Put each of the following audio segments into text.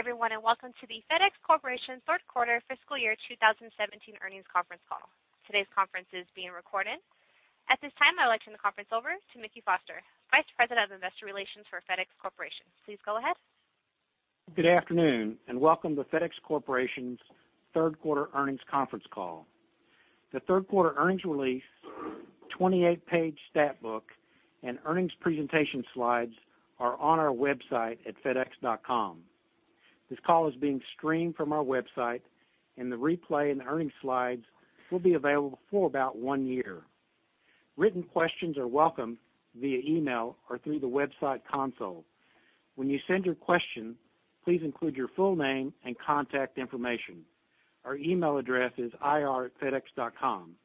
Good day, everyone, and welcome to the FedEx Corporation third quarter fiscal year 2017 earnings conference call. Today's conference is being recorded. At this time, I would like to turn the conference over to Mickey Foster, Vice President of Investor Relations for FedEx Corporation. Please go ahead. Good afternoon, and welcome to FedEx Corporation's third quarter earnings conference call. The third quarter earnings release, 28-page stat book, and earnings presentation slides are on our website at fedex.com. This call is being streamed from our website, and the replay and the earnings slides will be available for about one year. Written questions are welcome via email or through the website console. When you send your question, please include your full name and contact information. Our email address is ir@fedex.com.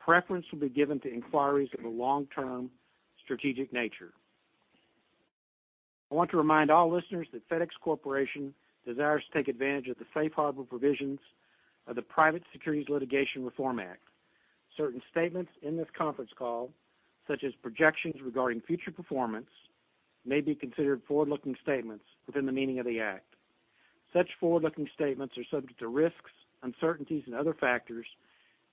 Preference will be given to inquiries of a long-term strategic nature. I want to remind all listeners that FedEx Corporation desires to take advantage of the safe harbor provisions of the Private Securities Litigation Reform Act. Certain statements in this conference call, such as projections regarding future performance, may be considered forward-looking statements within the meaning of the Act. Such forward-looking statements are subject to risks, uncertainties, and other factors,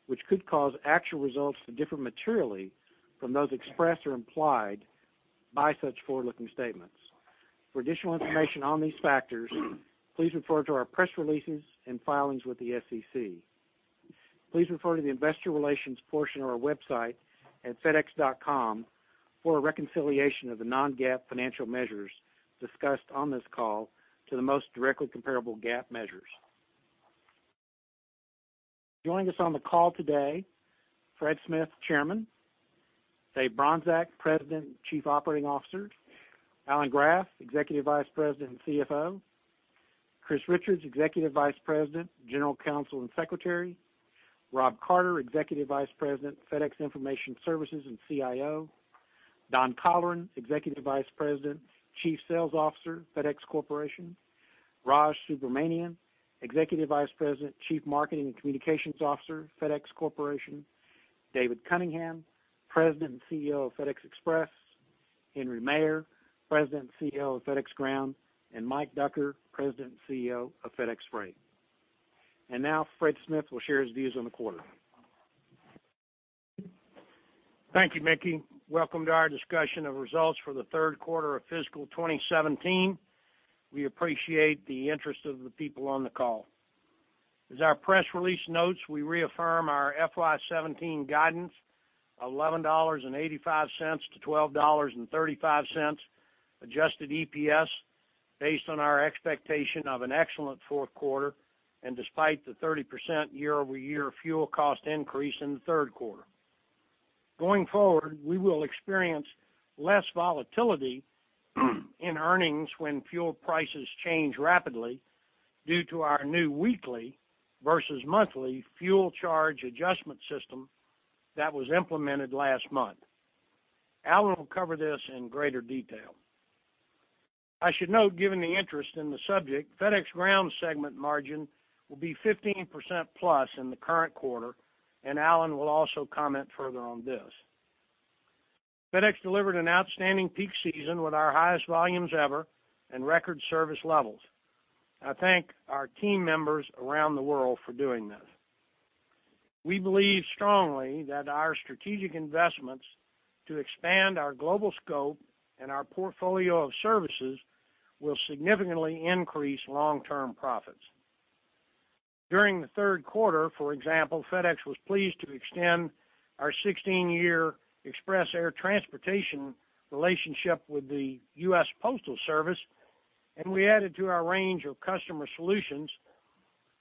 which could cause actual results to differ materially from those expressed or implied by such forward-looking statements. For additional information on these factors, please refer to our press releases and filings with the SEC. Please refer to the investor relations portion of our website at fedex.com for a reconciliation of the non-GAAP financial measures discussed on this call to the most directly comparable GAAP measures. Joining us on the call today, Fred Smith, Chairman; Dave Bronczek, President and Chief Operating Officer; Alan Graf, Executive Vice President and CFO; Christine Richards, Executive Vice President, General Counsel, and Secretary; Rob Carter, Executive Vice President, FedEx Information Services, and CIO; Don Colleran, Executive Vice President, Chief Sales Officer, FedEx Corporation; Raj Subramaniam, Executive Vice President, Chief Marketing and Communications Officer, FedEx Corporation; David Cunningham, President and CEO of FedEx Express; Henry Maier, President and CEO of FedEx Ground; and Mike Ducker, President and CEO of FedEx Freight. And now, Fred Smith will share his views on the quarter. Thank you, Mickey. Welcome to our discussion of results for the third quarter of fiscal 2017. We appreciate the interest of the people on the call. As our press release notes, we reaffirm our FY 2017 guidance of $11.85-$12.35 adjusted EPS based on our expectation of an excellent fourth quarter and despite the 30% year-over-year fuel cost increase in the third quarter. Going forward, we will experience less volatility in earnings when fuel prices change rapidly due to our new weekly versus monthly fuel charge adjustment system that was implemented last month. Alan will cover this in greater detail. I should note, given the interest in the subject, FedEx Ground segment margin will be 15%+ in the current quarter, and Alan will also comment further on this. FedEx delivered an outstanding peak season with our highest volumes ever and record service levels. I thank our team members around the world for doing this. We believe strongly that our strategic investments to expand our global scope and our portfolio of services will significantly increase long-term profits. During the third quarter, for example, FedEx was pleased to extend our 16-year express air transportation relationship with the U.S. Postal Service, and we added to our range of customer solutions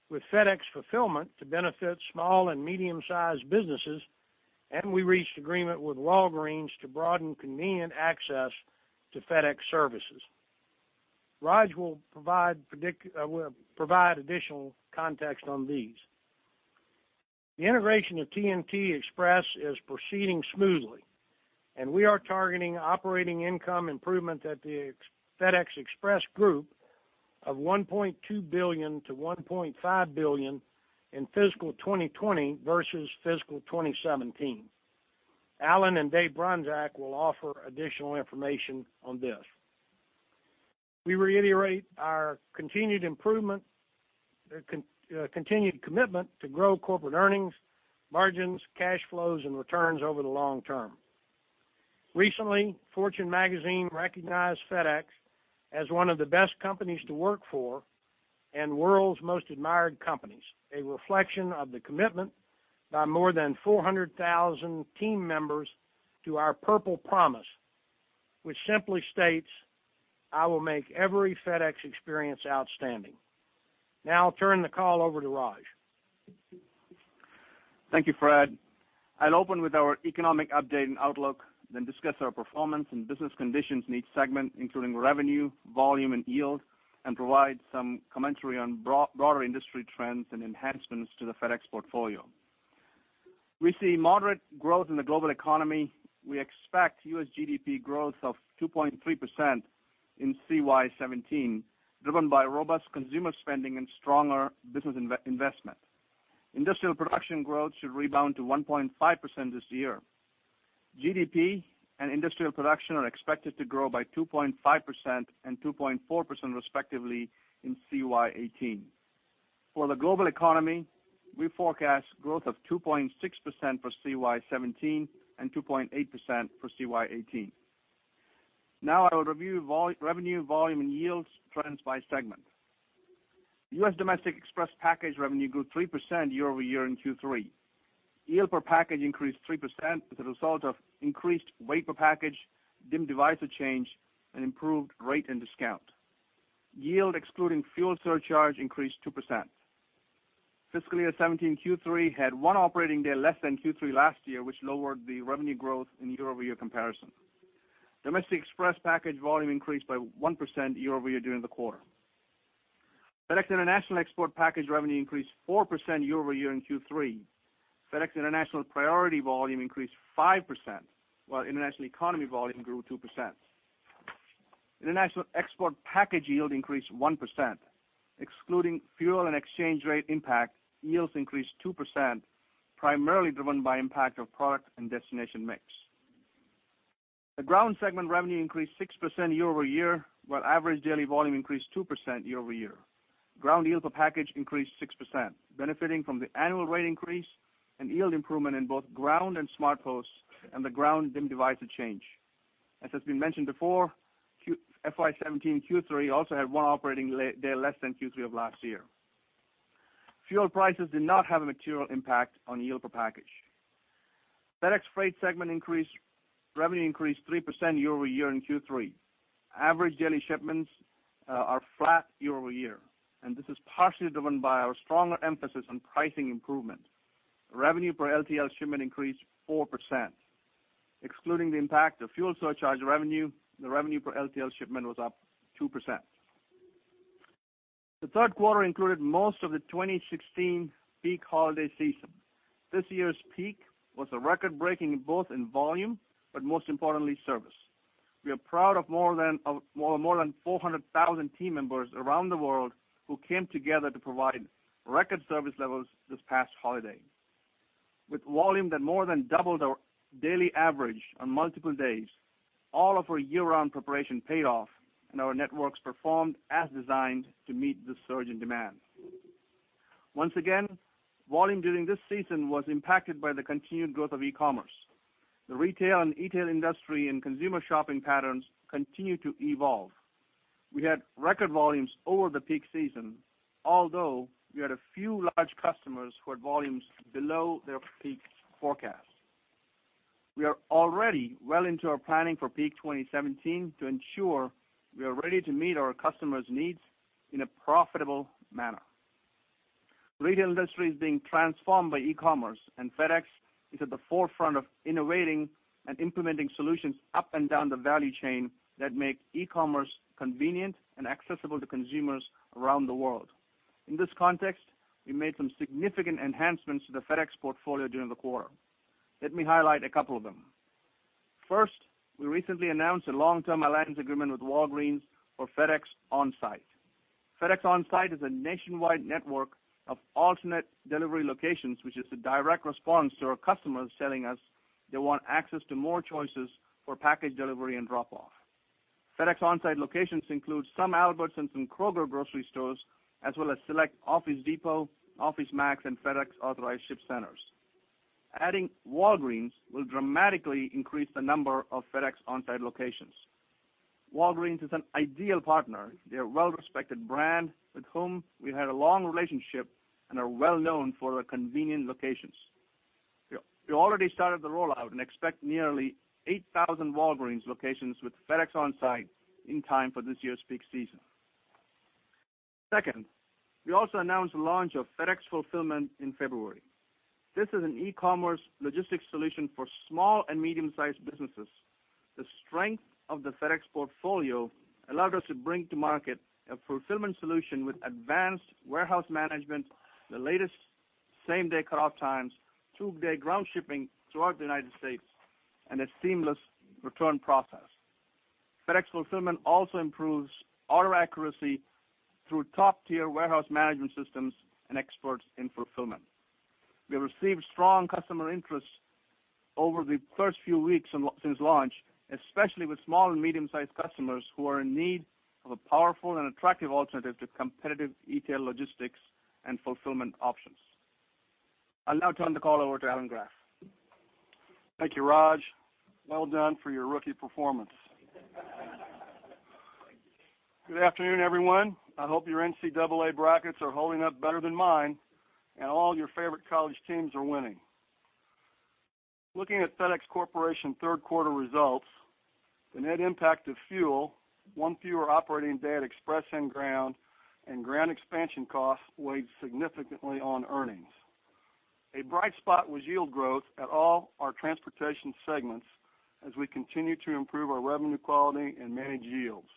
with FedEx Fulfillment to benefit small and medium-sized businesses, and we reached agreement with Walgreens to broaden convenient access to FedEx services. Raj will provide additional context on these. The integration of TNT Express is proceeding smoothly, and we are targeting operating income improvement at the FedEx Express group of $1.2 billion-$1.5 billion in fiscal 2020 versus fiscal 2017. Alan and Dave Bronczek will offer additional information on this. We reiterate our continued improvement, continued commitment to grow corporate earnings, margins, cash flows, and returns over the long term. Recently, Fortune Magazine recognized FedEx as one of the best companies to work for and world's most admired companies, a reflection of the commitment by more than 400,000 team members to our Purple Promise, which simply states, "I will make every FedEx experience outstanding." Now I'll turn the call over to Raj. Thank you, Fred. I'll open with our economic update and outlook, then discuss our performance and business conditions in each segment, including revenue, volume, and yield, and provide some commentary on broader industry trends and enhancements to the FedEx portfolio. We see moderate growth in the global economy. We expect U.S. GDP growth of 2.3% in CY 2017, driven by robust consumer spending and stronger business investment. Industrial production growth should rebound to 1.5% this year. GDP and industrial production are expected to grow by 2.5% and 2.4%, respectively, in CY 2018. For the global economy, we forecast growth of 2.6% for CY 2017 and 2.8% for CY 2018. Now I will review revenue, volume, and yields trends by segment. US Domestic Express package revenue grew 3% year-over-year in Q3. Yield per package increased 3% as a result of increased weight per package, DIM divisor change, and improved rate and discount. Yield, excluding fuel surcharge, increased 2%. Fiscal year 2017, Q3 had one operating day less than Q3 last year, which lowered the revenue growth in the year-over-year comparison. Domestic Express package volume increased by 1% year-over-year during the quarter. FedEx International Export package revenue increased 4% year-over-year in Q3. FedEx International Priority volume increased 5%, while International Economy volume grew 2%. International Export package yield increased 1%. Excluding fuel and exchange rate impact, yields increased 2%, primarily driven by impact of product and destination mix. The Ground segment revenue increased 6% year-over-year, while average daily volume increased 2% year-over-year. Ground yield per package increased 6%, benefiting from the annual rate increase and yield improvement in both Ground and SmartPost, and the Ground DIM divisor change. As has been mentioned before, Q3 FY 2017 also had one operating day less than Q3 of last year. Fuel prices did not have a material impact on yield per package. FedEx Freight segment revenue increased 3% year-over-year in Q3. Average daily shipments are flat year-over-year, and this is partially driven by our stronger emphasis on pricing improvement. Revenue per LTL shipment increased 4%. Excluding the impact of fuel surcharge revenue, the revenue per LTL shipment was up 2%. The third quarter included most of the 2016 peak holiday season. This year's peak was record-breaking both in volume, but most importantly, service. We are proud of more than more than 400,000 team members around the world who came together to provide record service levels this past holiday. With volume that more than doubled our daily average on multiple days, all of our year-round preparation paid off, and our networks performed as designed to meet the surge in demand. Once again, volume during this season was impacted by the continued growth of e-commerce. The retail and e-tail industry and consumer shopping patterns continue to evolve. We had record volumes over the peak season, although we had a few large customers who had volumes below their peak forecast. We are already well into our planning for peak 2017 to ensure we are ready to meet our customers' needs in a profitable manner. Retail industry is being transformed by e-commerce, and FedEx is at the forefront of innovating and implementing solutions up and down the value chain that make e-commerce convenient and accessible to consumers around the world. In this context, we made some significant enhancements to the FedEx portfolio during the quarter. Let me highlight a couple of them. First, we recently announced a long-term alliance agreement with Walgreens for FedEx OnSite. FedEx OnSite is a nationwide network of alternate delivery locations, which is a direct response to our customers telling us they want access to more choices for package delivery and drop-off. FedEx OnSite locations include some Albertsons and Kroger grocery stores, as well as select Office Depot, OfficeMax, and FedEx Authorized Ship Centers. Adding Walgreens will dramatically increase the number of FedEx OnSite locations. Walgreens is an ideal partner. They're a well-respected brand with whom we've had a long relationship and are well known for their convenient locations. We already started the rollout and expect nearly 8,000 Walgreens locations with FedEx OnSite in time for this year's peak season. Second, we also announced the launch of FedEx Fulfillment in February. This is an e-commerce logistics solution for small and medium-sized businesses. The strength of the FedEx portfolio allowed us to bring to market a fulfillment solution with advanced warehouse management, the latest same-day cutoff times, two-day ground shipping throughout the United States, and a seamless return process. FedEx Fulfillment also improves order accuracy through top-tier warehouse management systems and experts in fulfillment. We have received strong customer interest over the first few weeks since launch, especially with small and medium-sized customers who are in need of a powerful and attractive alternative to competitive e-tail logistics and fulfillment options. I'll now turn the call over to Alan Graf. Thank you, Raj. Well done for your rookie performance. Good afternoon, everyone. I hope your NCAA brackets are holding up better than mine, and all your favorite college teams are winning. Looking at FedEx Corporation third quarter results, the net impact of fuel, one fewer operating day at Express and Ground, and Ground expansion costs weighed significantly on earnings. A bright spot was yield growth at all our transportation segments as we continue to improve our revenue quality and manage yields.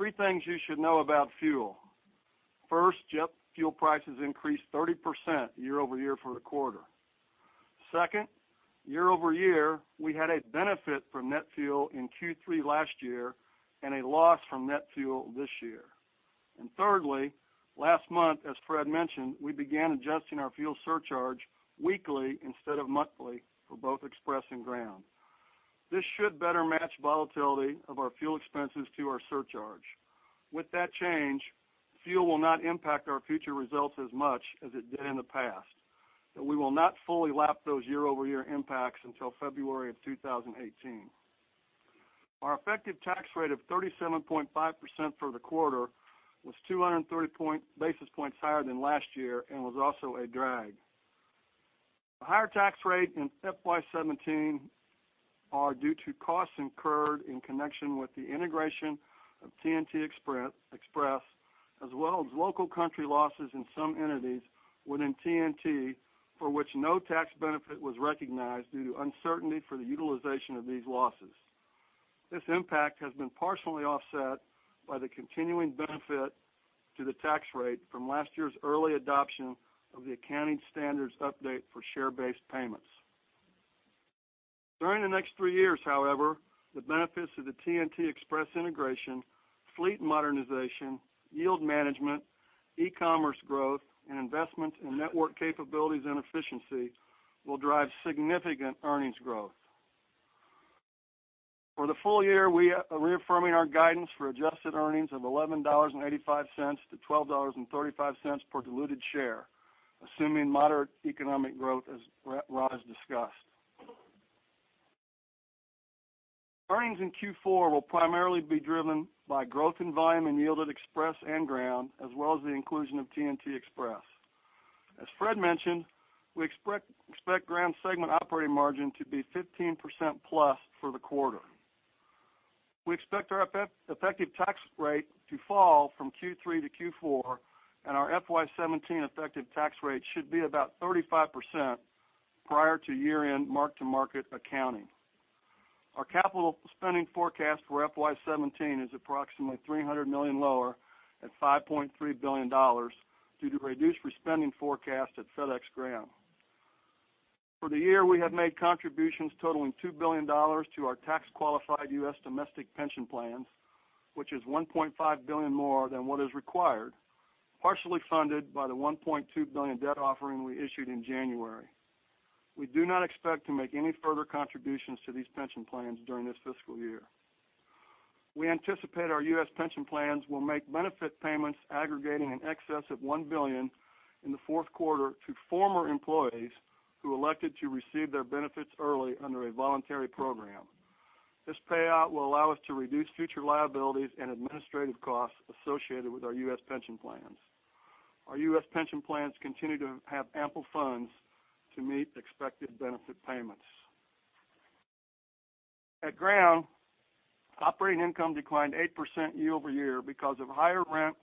Three things you should know about fuel. First, jet fuel prices increased 30% year-over-year for the quarter. Second, year-over-year, we had a benefit from net fuel in Q3 last year and a loss from net fuel this year.... And thirdly, last month, as Fred mentioned, we began adjusting our fuel surcharge weekly instead of monthly for both Express and Ground. This should better match volatility of our fuel expenses to our surcharge. With that change, fuel will not impact our future results as much as it did in the past, but we will not fully lap those year-over-year impacts until February 2018. Our effective tax rate of 37.5% for the quarter was 230 basis points higher than last year and was also a drag. The higher tax rate in FY 2017 are due to costs incurred in connection with the integration of TNT Express, as well as local country losses in some entities within TNT, for which no tax benefit was recognized due to uncertainty for the utilization of these losses. This impact has been partially offset by the continuing benefit to the tax rate from last year's early adoption of the accounting standards update for share-based payments. During the next three years, however, the benefits of the TNT Express integration, fleet modernization, yield management, e-commerce growth, and investments in network capabilities and efficiency will drive significant earnings growth. For the full year, we are reaffirming our guidance for adjusted earnings of $11.85-$12.35 per diluted share, assuming moderate economic growth, as Raj has discussed. Earnings in Q4 will primarily be driven by growth in volume and yield at Express and Ground, as well as the inclusion of TNT Express. As Fred mentioned, we expect Ground segment operating margin to be 15%+ for the quarter. We expect our effective tax rate to fall from Q3 to Q4, and our FY 2017 effective tax rate should be about 35% prior to year-end mark-to-market accounting. Our capital spending forecast for FY 2017 is approximately $300 million lower at $5.3 billion due to reduced spending forecast at FedEx Ground. For the year, we have made contributions totaling $2 billion to our tax-qualified U.S. domestic pension plans, which is $1.5 billion more than what is required, partially funded by the $1.2 billion debt offering we issued in January. We do not expect to make any further contributions to these pension plans during this fiscal year. We anticipate our U.S. pension plans will make benefit payments aggregating in excess of $1 billion in the fourth quarter to former employees who elected to receive their benefits early under a voluntary program. This payout will allow us to reduce future liabilities and administrative costs associated with our U.S. pension plans. Our US pension plans continue to have ample funds to meet expected benefit payments. At Ground, operating income declined 8% year-over-year because of higher rent,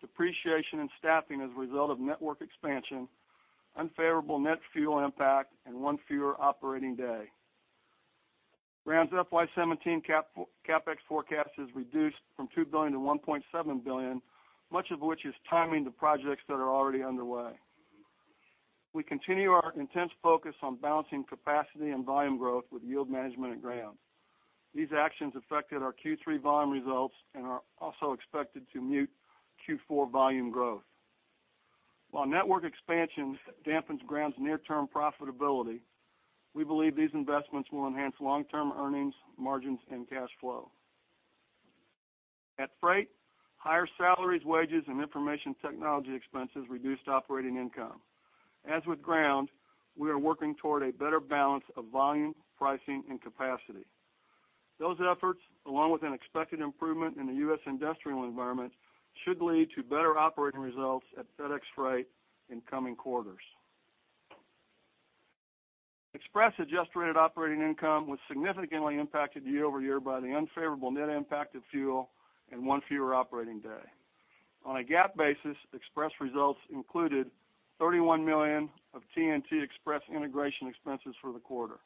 depreciation, and staffing as a result of network expansion, unfavorable net fuel impact, and one fewer operating day. Ground's FY 2017 CapEx forecast is reduced from $2 billion-$1.7 billion, much of which is timing to projects that are already underway. We continue our intense focus on balancing capacity and volume growth with yield management at Ground. These actions affected our Q3 volume results and are also expected to mute Q4 volume growth. While network expansion dampens Ground's near-term profitability, we believe these investments will enhance long-term earnings, margins, and cash flow. At Freight, higher salaries, wages, and information technology expenses reduced operating income. As with Ground, we are working toward a better balance of volume, pricing, and capacity. Those efforts, along with an expected improvement in the U.S. industrial environment, should lead to better operating results at FedEx Freight in coming quarters. Express adjusted operating income was significantly impacted year-over-year by the unfavorable net impact of fuel and one fewer operating day. On a GAAP basis, Express results included $31 million of TNT Express integration expenses for the quarter.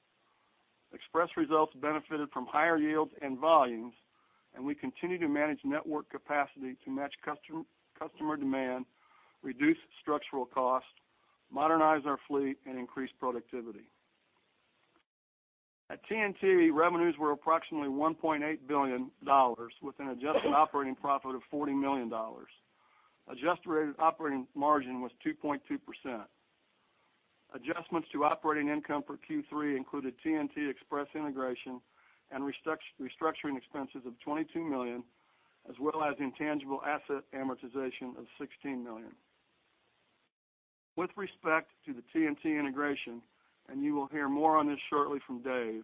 Express results benefited from higher yields and volumes, and we continue to manage network capacity to match customer demand, reduce structural costs, modernize our fleet, and increase productivity. At TNT, revenues were approximately $1.8 billion, with an adjusted operating profit of $40 million. Adjusted operating margin was 2.2%. Adjustments to operating income for Q3 included TNT Express integration and restructuring expenses of $22 million, as well as intangible asset amortization of $16 million. With respect to the TNT integration, and you will hear more on this shortly from Dave,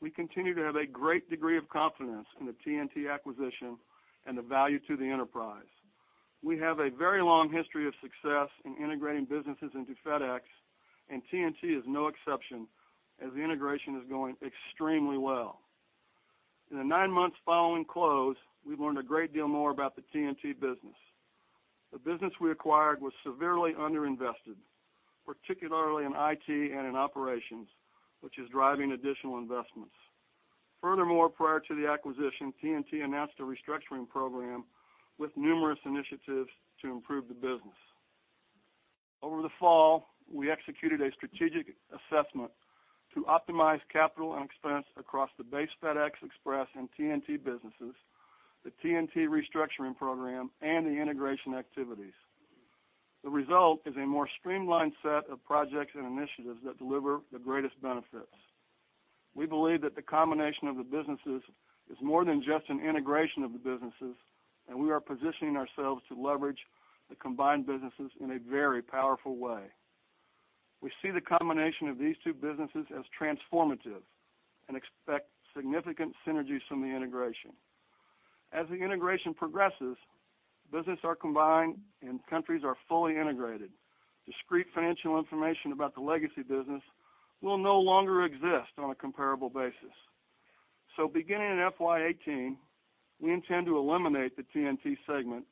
we continue to have a great degree of confidence in the TNT acquisition and the value to the enterprise. We have a very long history of success in integrating businesses into FedEx, and TNT is no exception, as the integration is going extremely well. In the nine months following close, we've learned a great deal more about the TNT business. The business we acquired was severely underinvested, particularly in IT and in operations, which is driving additional investments. Furthermore, prior to the acquisition, TNT announced a restructuring program with numerous initiatives to improve the business.... Over the fall, we executed a strategic assessment to optimize capital and expense across the base FedEx Express and TNT businesses, the TNT restructuring program, and the integration activities. The result is a more streamlined set of projects and initiatives that deliver the greatest benefits. We believe that the combination of the businesses is more than just an integration of the businesses, and we are positioning ourselves to leverage the combined businesses in a very powerful way. We see the combination of these two businesses as transformative and expect significant synergies from the integration. As the integration progresses, business are combined and countries are fully integrated, discrete financial information about the legacy business will no longer exist on a comparable basis. Beginning in FY 2018, we intend to eliminate the TNT segment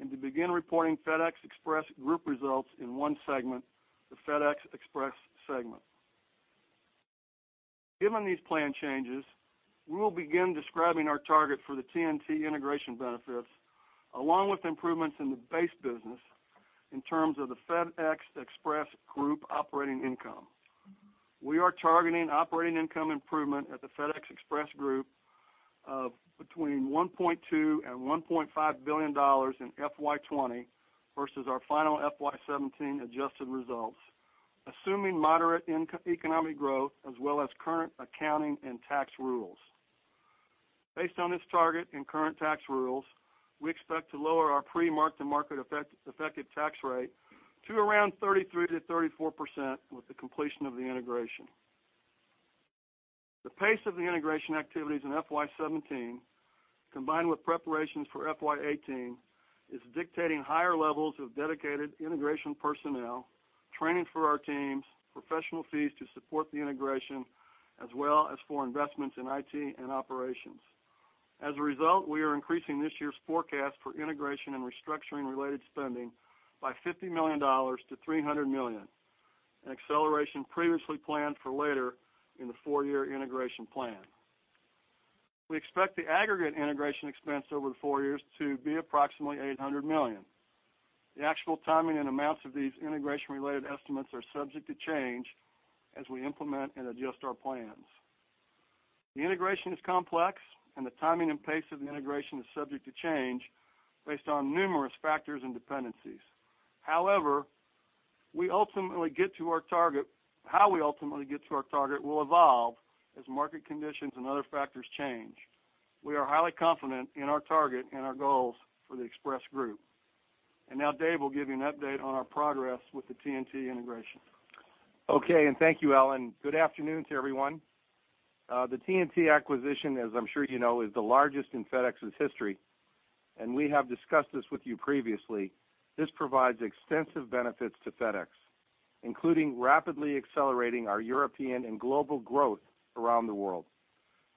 and to begin reporting FedEx Express group results in one segment, the FedEx Express segment. Given these plan changes, we will begin describing our target for the TNT integration benefits, along with improvements in the base business in terms of the FedEx Express group operating income. We are targeting operating income improvement at the FedEx Express group of between $1.2 billion-$1.5 billion in FY 2020 versus our final FY 2017 adjusted results, assuming moderate economic growth as well as current accounting and tax rules. Based on this target and current tax rules, we expect to lower our pre-mark-to-market effective tax rate to around 33%-34% with the completion of the integration. The pace of the integration activities in FY 2017, combined with preparations for FY 2018, is dictating higher levels of dedicated integration personnel, training for our teams, professional fees to support the integration, as well as for investments in IT and operations. As a result, we are increasing this year's forecast for integration and restructuring related spending by $50 million-$300 million, an acceleration previously planned for later in the four-year integration plan. We expect the aggregate integration expense over the four years to be approximately $800 million. The actual timing and amounts of these integration-related estimates are subject to change as we implement and adjust our plans. The integration is complex, and the timing and pace of the integration is subject to change based on numerous factors and dependencies. However, we ultimately get to our target. How we ultimately get to our target will evolve as market conditions and other factors change. We are highly confident in our target and our goals for the Express group. And now Dave will give you an update on our progress with the TNT integration. Okay, and thank you, Alan. Good afternoon to everyone. The TNT acquisition, as I'm sure you know, is the largest in FedEx's history, and we have discussed this with you previously. This provides extensive benefits to FedEx, including rapidly accelerating our European and global growth around the world,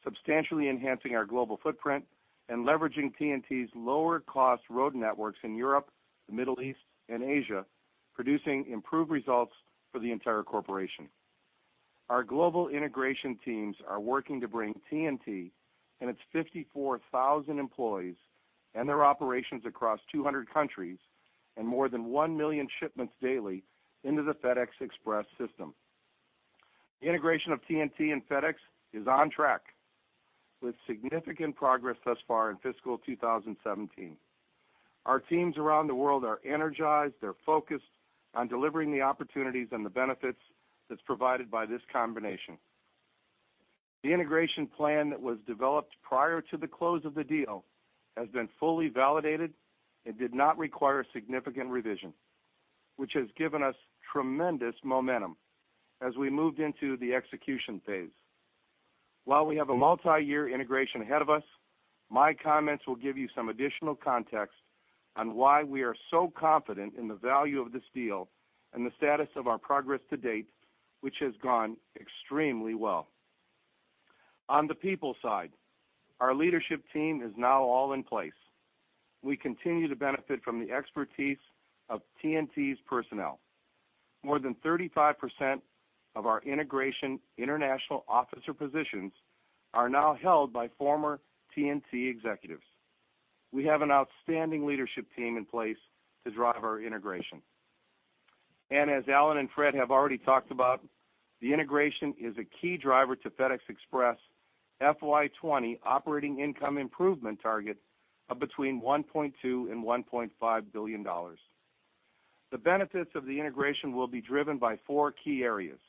substantially enhancing our global footprint, and leveraging TNT's lower cost road networks in Europe, the Middle East, and Asia, producing improved results for the entire corporation. Our global integration teams are working to bring TNT and its 54,000 employees and their operations across 200 countries and more than 1 million shipments daily into the FedEx Express system. The integration of TNT and FedEx is on track, with significant progress thus far in fiscal 2017. Our teams around the world are energized, they're focused on delivering the opportunities and the benefits that's provided by this combination. The integration plan that was developed prior to the close of the deal has been fully validated and did not require significant revision, which has given us tremendous momentum as we moved into the execution phase. While we have a multiyear integration ahead of us, my comments will give you some additional context on why we are so confident in the value of this deal and the status of our progress to date, which has gone extremely well. On the people side, our leadership team is now all in place. We continue to benefit from the expertise of TNT's personnel. More than 35% of our integration international officer positions are now held by former TNT executives. We have an outstanding leadership team in place to drive our integration. As Alan and Fred have already talked about, the integration is a key driver to FedEx Express FY 2020 operating income improvement target of between $1.2 billion and $1.5 billion. The benefits of the integration will be driven by four key areas.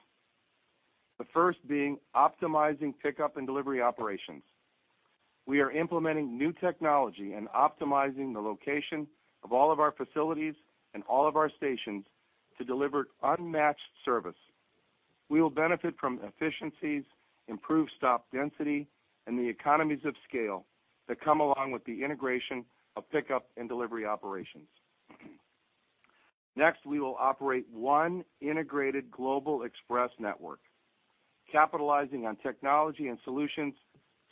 The first being optimizing pickup and delivery operations. We are implementing new technology and optimizing the location of all of our facilities and all of our stations to deliver unmatched service. We will benefit from efficiencies, improved stop density, and the economies of scale that come along with the integration of pickup and delivery operations. Next, we will operate one integrated global express network, capitalizing on technology and solutions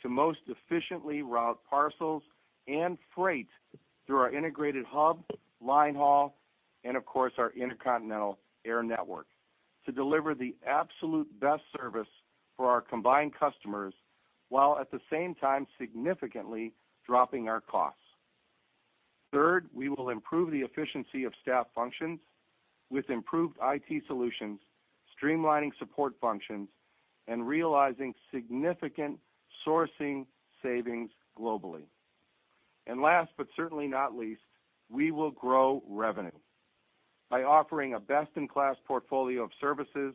to most efficiently route parcels and freight through our integrated hub, line haul, and of course, our intercontinental air network. To deliver the absolute best service for our combined customers, while at the same time, significantly dropping our costs. Third, we will improve the efficiency of staff functions with improved IT solutions, streamlining support functions, and realizing significant sourcing savings globally. Last, but certainly not least, we will grow revenue by offering a best-in-class portfolio of services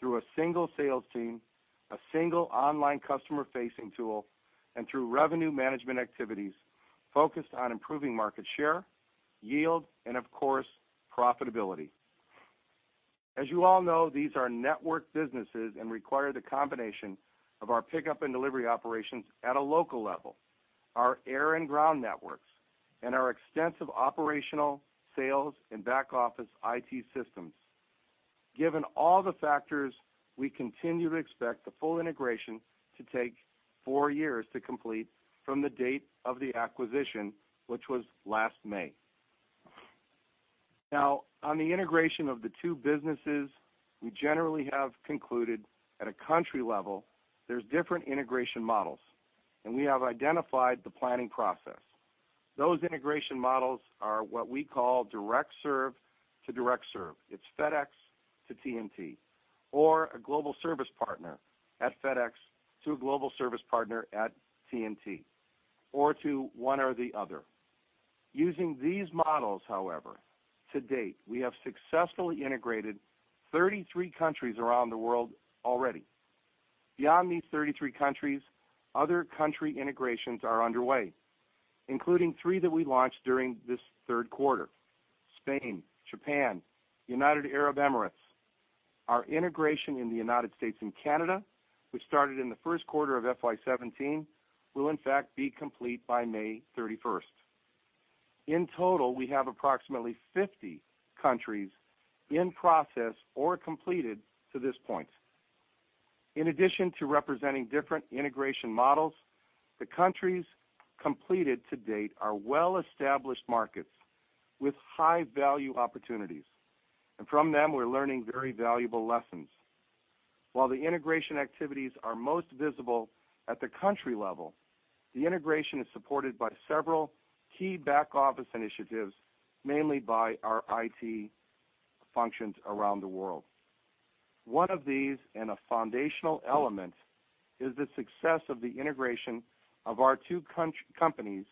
through a single sales team, a single online customer-facing tool, and through revenue management activities focused on improving market share, yield, and of course, profitability. As you all know, these are network businesses and require the combination of our pickup and delivery operations at a local level, our air and ground networks, and our extensive operational, sales, and back office IT systems. Given all the factors, we continue to expect the full integration to take four years to complete from the date of the acquisition, which was last May. Now, on the integration of the two businesses, we generally have concluded at a country level, there's different integration models, and we have identified the planning process. Those integration models are what we call direct serve to direct serve. It's FedEx to TNT, or a global service partner at FedEx to a global service partner at TNT, or to one or the other. Using these models, however, to date, we have successfully integrated 33 countries around the world already. Beyond these 33 countries, other country integrations are underway, including three that we launched during this third quarter: Spain, Japan, United Arab Emirates. Our integration in the United States and Canada, which started in the first quarter of FY 2017, will in fact, be complete by May 31st. In total, we have approximately 50 countries in process or completed to this point. In addition to representing different integration models, the countries completed to date are well-established markets with high value opportunities, and from them, we're learning very valuable lessons. While the integration activities are most visible at the country level, the integration is supported by several key back office initiatives, mainly by our IT functions around the world. One of these, and a foundational element, is the success of the integration of our two companies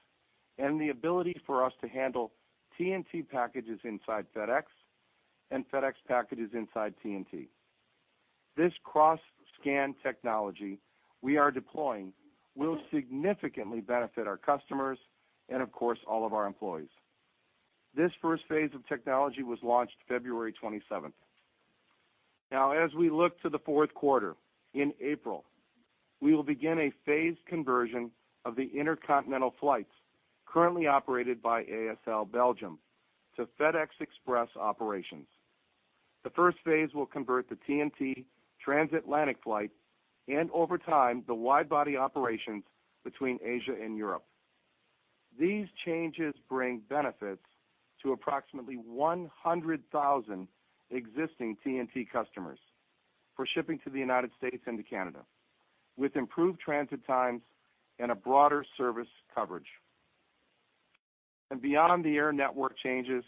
and the ability for us to handle TNT packages inside FedEx and FedEx packages inside TNT. This cross-scan technology we are deploying will significantly benefit our customers and, of course, all of our employees. This first phase of technology was launched February 27th. Now, as we look to the fourth quarter, in April, we will begin a phased conversion of the intercontinental flights currently operated by ASL Airlines Belgium to FedEx Express operations. The first phase will convert the TNT transatlantic flight, and over time, the wide-body operations between Asia and Europe. These changes bring benefits to approximately 100,000 existing TNT customers for shipping to the United States and to Canada, with improved transit times and a broader service coverage. Beyond the air network changes,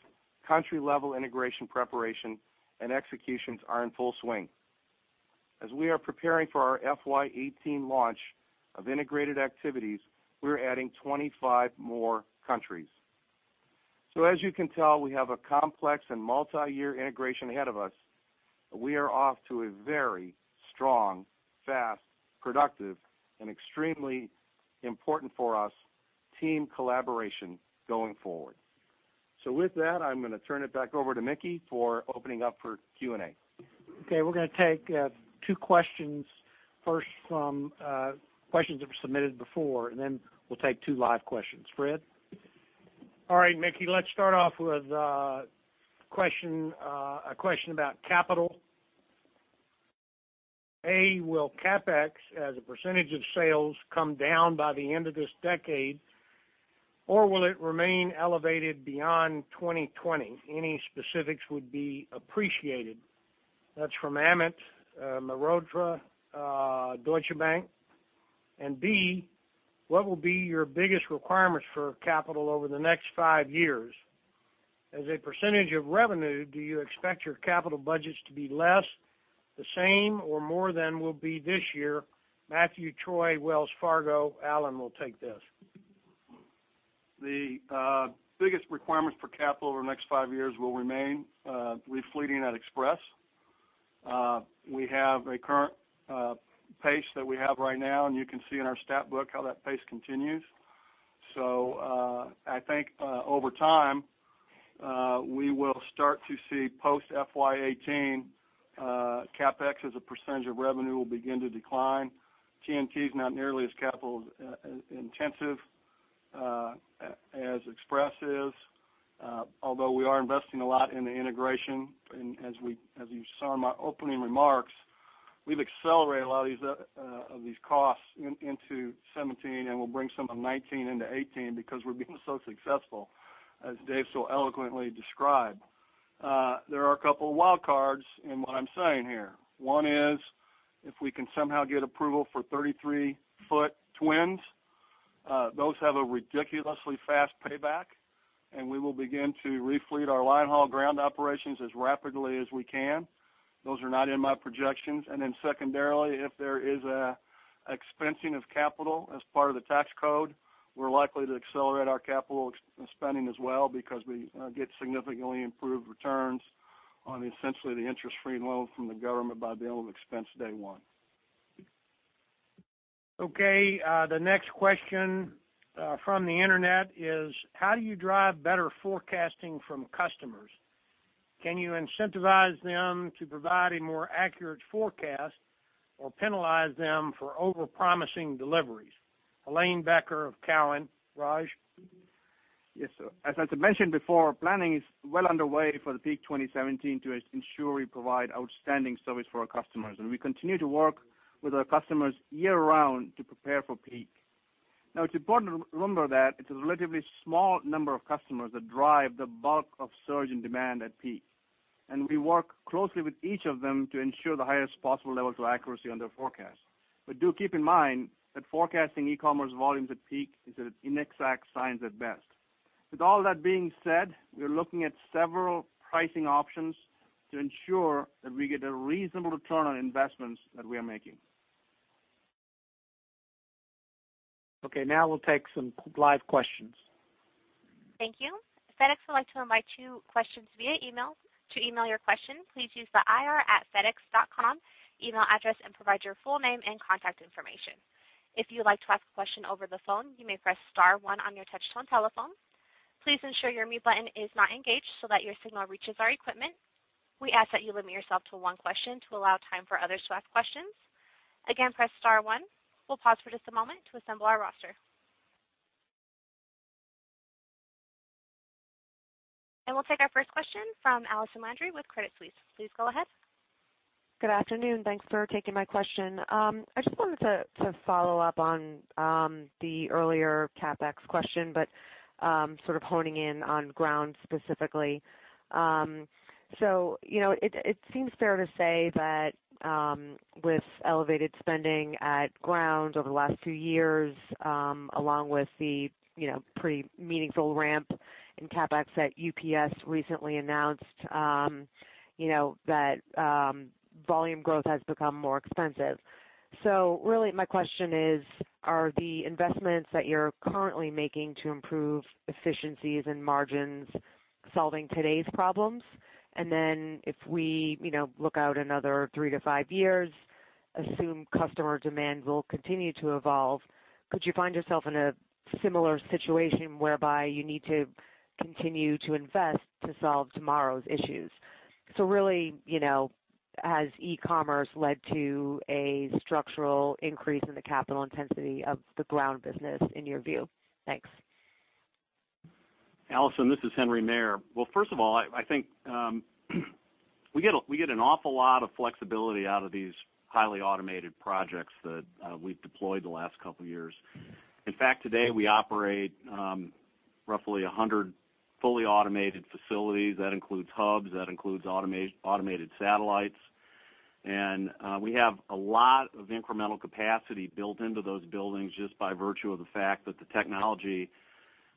country-level integration, preparation, and executions are in full swing. As we are preparing for our FY 2018 launch of integrated activities, we're adding 25 more countries. As you can tell, we have a complex and multiyear integration ahead of us, but we are off to a very strong, fast, productive, and extremely important for us, team collaboration going forward. With that, I'm gonna turn it back over to Mickey for opening up for Q&A. Okay, we're gonna take two questions, first from questions that were submitted before, and then we'll take two live questions. Fred? All right, Mickey, let's start off with a question about capital. A, will CapEx, as a percentage of sales, come down by the end of this decade, or will it remain elevated beyond 2020? Any specifics would be appreciated. That's from Amit Mehrotra, Deutsche Bank. And B, what will be your biggest requirements for capital over the next five years? As a percentage of revenue, do you expect your capital budgets to be less, the same, or more than will be this year? Matthew Troy, Wells Fargo. Alan will take this. The biggest requirements for capital over the next five years will remain re-fleeting at Express. We have a current pace that we have right now, and you can see in our stat book how that pace continues. So, I think, over time, we will start to see post FY 2018, CapEx, as a percentage of revenue, will begin to decline. TNT is not nearly as capital intensive as Express is, although we are investing a lot in the integration. And as you saw in my opening remarks-... we've accelerated a lot of these of these costs into 2017, and we'll bring some of 2019 into 2018 because we're being so successful, as Dave so eloquently described. There are a couple of wild cards in what I'm saying here. One is, if we can somehow get approval for 33 ft twins, those have a ridiculously fast payback, and we will begin to refleet our line haul ground operations as rapidly as we can. Those are not in my projections. And then secondarily, if there is a expensing of capital as part of the tax code, we're likely to accelerate our capital spending as well, because we get significantly improved returns on essentially, the interest-free loan from the government by being able to expense day one. Okay, the next question from the internet is: How do you drive better forecasting from customers? Can you incentivize them to provide a more accurate forecast or penalize them for overpromising deliveries? Helane Becker of Cowen. Raj? Yes, sir. As I mentioned before, planning is well underway for the peak 2017 to ensure we provide outstanding service for our customers, and we continue to work with our customers year-round to prepare for peak. Now, it's important to remember that it's a relatively small number of customers that drive the bulk of surge in demand at peak, and we work closely with each of them to ensure the highest possible levels of accuracy on their forecast. But do keep in mind that forecasting e-commerce volumes at peak is an inexact science at best. With all that being said, we're looking at several pricing options to ensure that we get a reasonable return on investments that we are making. Okay, now we'll take some live questions. Thank you. FedEx would like to invite your questions via email. To email your question, please use the ir@fedex.com email address and provide your full name and contact information. If you'd like to ask a question over the phone, you may press star one on your touchtone telephone. Please ensure your mute button is not engaged so that your signal reaches our equipment. We ask that you limit yourself to one question to allow time for others to ask questions. Again, press star one. We'll pause for just a moment to assemble our roster. We'll take our first question from Allison Landry with Credit Suisse. Please go ahead. Good afternoon. Thanks for taking my question. I just wanted to follow up on the earlier CapEx question, but sort of honing in on Ground specifically. So you know it seems fair to say that with elevated spending at Ground over the last two years, along with the you know pretty meaningful ramp in CapEx that UPS recently announced, you know that volume growth has become more expensive. So really, my question is, are the investments that you're currently making to improve efficiencies and margins solving today's problems? And then if we you know look out another three to five years, assume customer demand will continue to evolve, could you find yourself in a similar situation whereby you need to continue to invest to solve tomorrow's issues? Really, you know, has e-commerce led to a structural increase in the capital intensity of the ground business, in your view? Thanks. Allison, this is Henry Maier. Well, first of all, I think we get an awful lot of flexibility out of these highly automated projects that we've deployed the last couple of years. In fact, today, we operate roughly 100 fully automated facilities. That includes hubs, that includes automated satellites. And we have a lot of incremental capacity built into those buildings just by virtue of the fact that the technology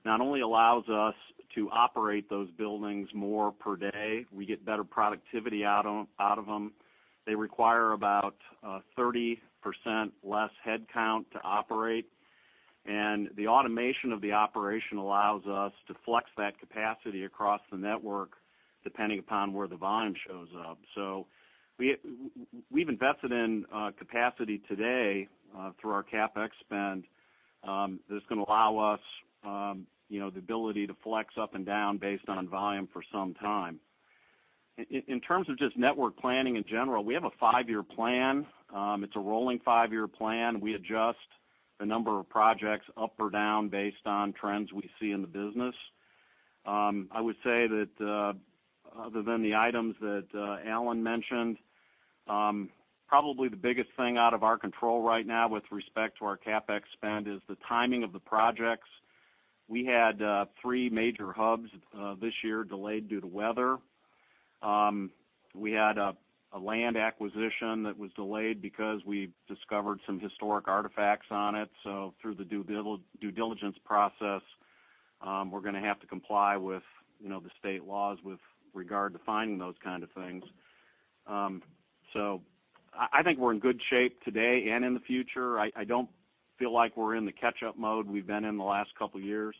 not only allows us to operate those buildings more per day, we get better productivity out of them. They require about 30% less headcount to operate, and the automation of the operation allows us to flex that capacity across the network, depending upon where the volume shows up. So we've invested in capacity today through our CapEx spend. That's gonna allow us, you know, the ability to flex up and down based on volume for some time. In terms of just network planning in general, we have a five-year plan. It's a rolling five-year plan. We adjust the number of projects up or down based on trends we see in the business. I would say that other than the items that Alan mentioned, probably the biggest thing out of our control right now with respect to our CapEx spend is the timing of the projects. We had three major hubs this year delayed due to weather. We had a land acquisition that was delayed because we discovered some historic artifacts on it. Through the due diligence process, we're gonna have to comply with, you know, the state laws with regard to finding those kind of things. I think we're in good shape today and in the future. I don't feel like we're in the catch-up mode we've been in the last couple of years,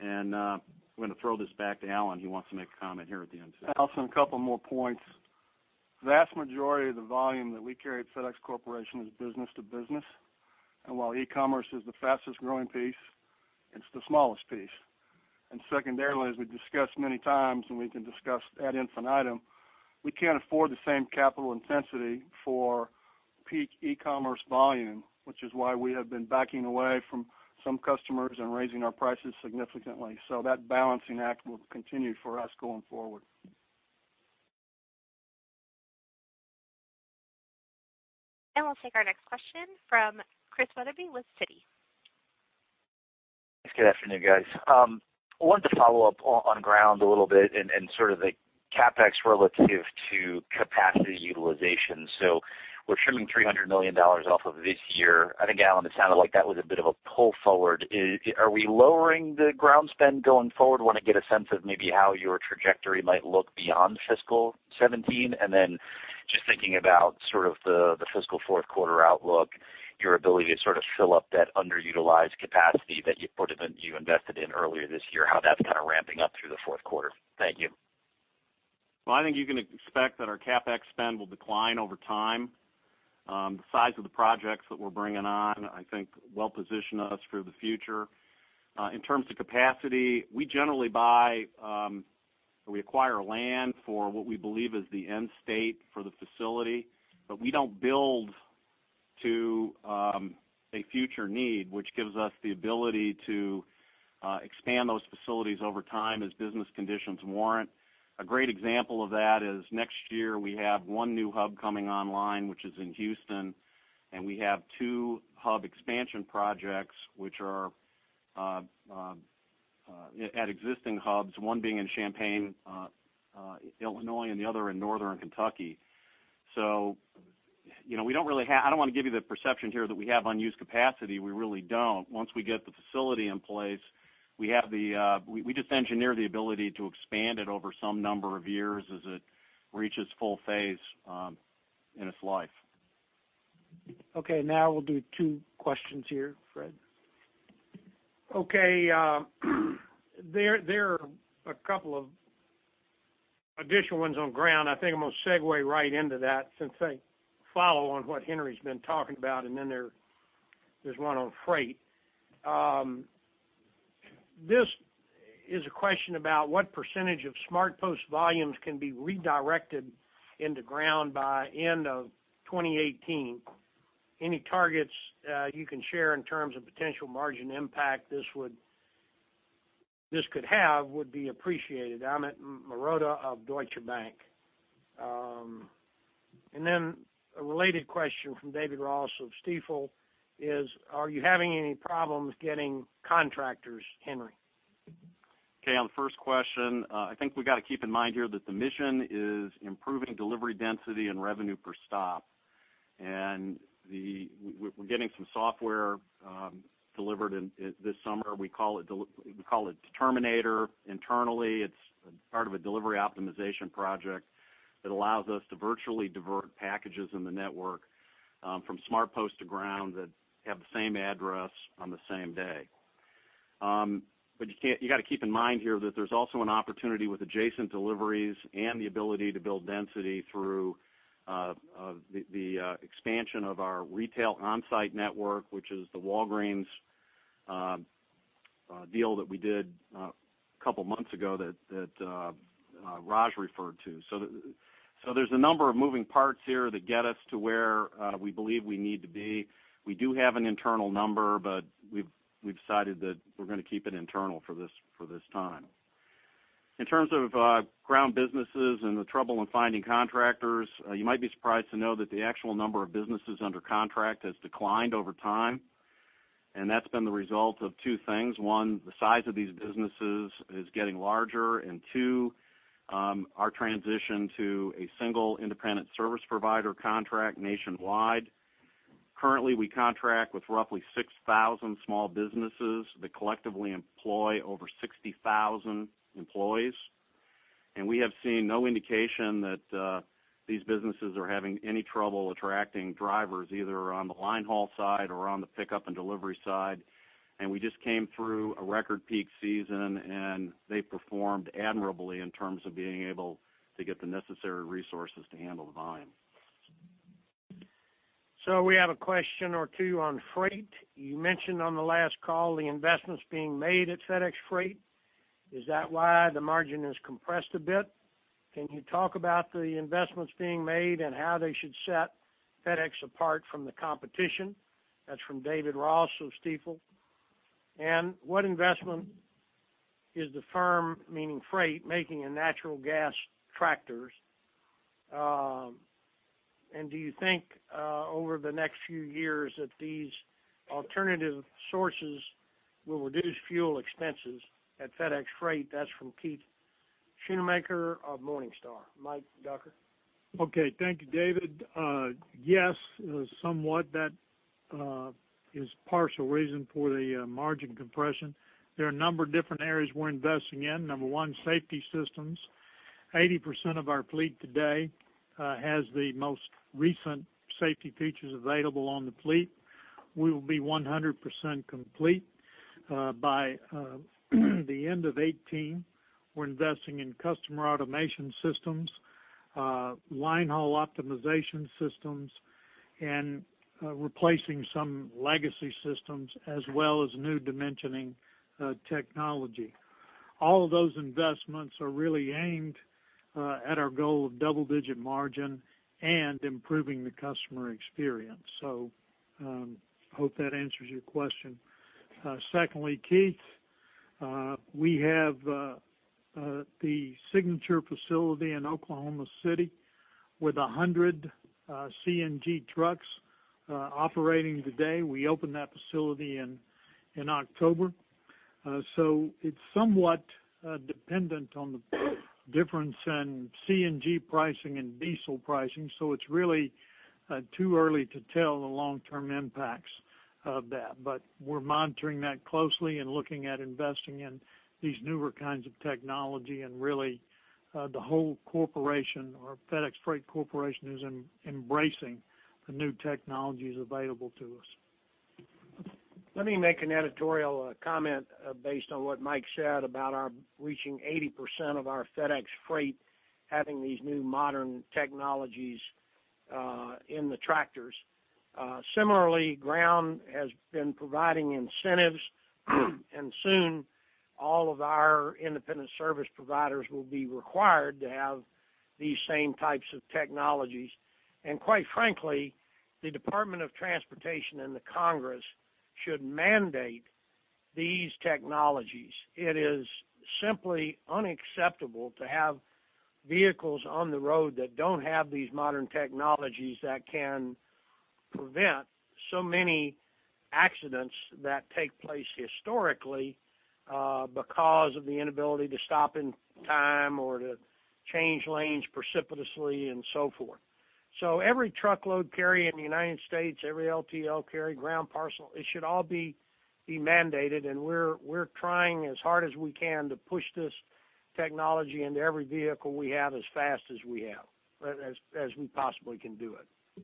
and I'm gonna throw this back to Alan, who wants to make a comment here at the end. Also, a couple more points. Vast majority of the volume that we carry at FedEx Corporation is business to business, and while e-commerce is the fastest growing piece, it's the smallest piece. Secondarily, as we've discussed many times, and we can discuss ad infinitum, we can't afford the same capital intensity for peak e-commerce volume, which is why we have been backing away from some customers and raising our prices significantly. That balancing act will continue for us going forward.... We'll take our next question from Christian Wetherbee with Citi. Thanks. Good afternoon, guys. I wanted to follow up on ground a little bit and sort of the CapEx relative to capacity utilization. So we're trimming $300 million off of this year. I think, Alan, it sounded like that was a bit of a pull forward. Are we lowering the ground spend going forward? Want to get a sense of maybe how your trajectory might look beyond fiscal 2017. And then just thinking about sort of the fiscal fourth quarter outlook, your ability to sort of fill up that underutilized capacity that you put it in, you invested in earlier this year, how that's kind of ramping up through the fourth quarter. Thank you. Well, I think you can expect that our CapEx spend will decline over time. The size of the projects that we're bringing on, I think, will position us for the future. In terms of capacity, we generally buy, we acquire land for what we believe is the end state for the facility, but we don't build to a future need, which gives us the ability to expand those facilities over time as business conditions warrant. A great example of that is next year, we have one new hub coming online, which is in Houston, and we have two hub expansion projects, which are at existing hubs, one being in Champaign, Illinois, and the other in Northern Kentucky. So, you know, we don't really have I don't want to give you the perception here that we have unused capacity. We really don't. Once we get the facility in place, we have the, we just engineer the ability to expand it over some number of years as it reaches full phase, in its life. Okay, now we'll do two questions here, Fred. Okay, there are a couple of additional ones on ground. I think I'm going to segue right into that since they follow on what Henry's been talking about, and then there's one on freight. This is a question about what percentage of SmartPost volumes can be redirected into ground by end of 2018. Any targets you can share in terms of potential margin impact this would, this could have, would be appreciated. Amit Mehrotra of Deutsche Bank. And then a related question from David Ross of Stifel is, are you having any problems getting contractors, Henry? Okay, on the first question, I think we got to keep in mind here that the mission is improving delivery density and revenue per stop. We're getting some software delivered in this summer. We call it Determinator internally. It's part of a delivery optimization project that allows us to virtually divert packages in the network from SmartPost to ground that have the same address on the same day. You got to keep in mind here that there's also an opportunity with adjacent deliveries and the ability to build density through the expansion of our retail on-site network, which is the Walgreens deal that we did a couple of months ago that Raj referred to. So there's a number of moving parts here that get us to where we believe we need to be. We do have an internal number, but we've decided that we're going to keep it internal for this, for this time. In terms of ground businesses and the trouble in finding contractors, you might be surprised to know that the actual number of businesses under contract has declined over time, and that's been the result of two things. One, the size of these businesses is getting larger, and two, our transition to a single independent service provider contract nationwide. Currently, we contract with roughly 6,000 small businesses that collectively employ over 60,000 employees, and we have seen no indication that these businesses are having any trouble attracting drivers, either on the line haul side or on the pickup and delivery side. We just came through a record peak season, and they performed admirably in terms of being able to get the necessary resources to handle the volume. So we have a question or two on freight. You mentioned on the last call, the investments being made at FedEx Freight. Is that why the margin is compressed a bit? Can you talk about the investments being made and how they should set FedEx apart from the competition? That's from David Ross of Stifel. And what investment is the firm, meaning Freight, making in natural gas tractors, and do you think, over the next few years that these alternative sources will reduce fuel expenses at FedEx Freight? That's from Keith Schoonmaker of Morningstar. Mike Ducker? Okay, thank you, David. Yes, somewhat that is partial reason for the margin compression. There are a number of different areas we're investing in. Number one, safety systems. 80% of our fleet today has the most recent safety features available on the fleet. We will be 100% complete by the end of 2018. We're investing in customer automation systems, line haul optimization systems, and replacing some legacy systems, as well as new dimensioning technology. All of those investments are really aimed at our goal of double-digit margin and improving the customer experience. So, I hope that answers your question. Secondly, Keith?... we have the signature facility in Oklahoma City with 100 CNG trucks operating today. We opened that facility in October. So it's somewhat dependent on the difference in CNG pricing and diesel pricing, so it's really too early to tell the long-term impacts of that. But we're monitoring that closely and looking at investing in these newer kinds of technology. And really, the whole corporation or FedEx Freight Corporation is embracing the new technologies available to us. Let me make an editorial comment based on what Mike said about our reaching 80% of our FedEx Freight having these new modern technologies in the tractors. Similarly, Ground has been providing incentives, and soon, all of our independent service providers will be required to have these same types of technologies. Quite frankly, the Department of Transportation and the Congress should mandate these technologies. It is simply unacceptable to have vehicles on the road that don't have these modern technologies that can prevent so many accidents that take place historically because of the inability to stop in time or to change lanes precipitously and so forth. So every truckload carrier in the United States, every LTL carrier ground parcel, it should all be mandated, and we're trying as hard as we can to push this technology into every vehicle we have as fast as we possibly can do it.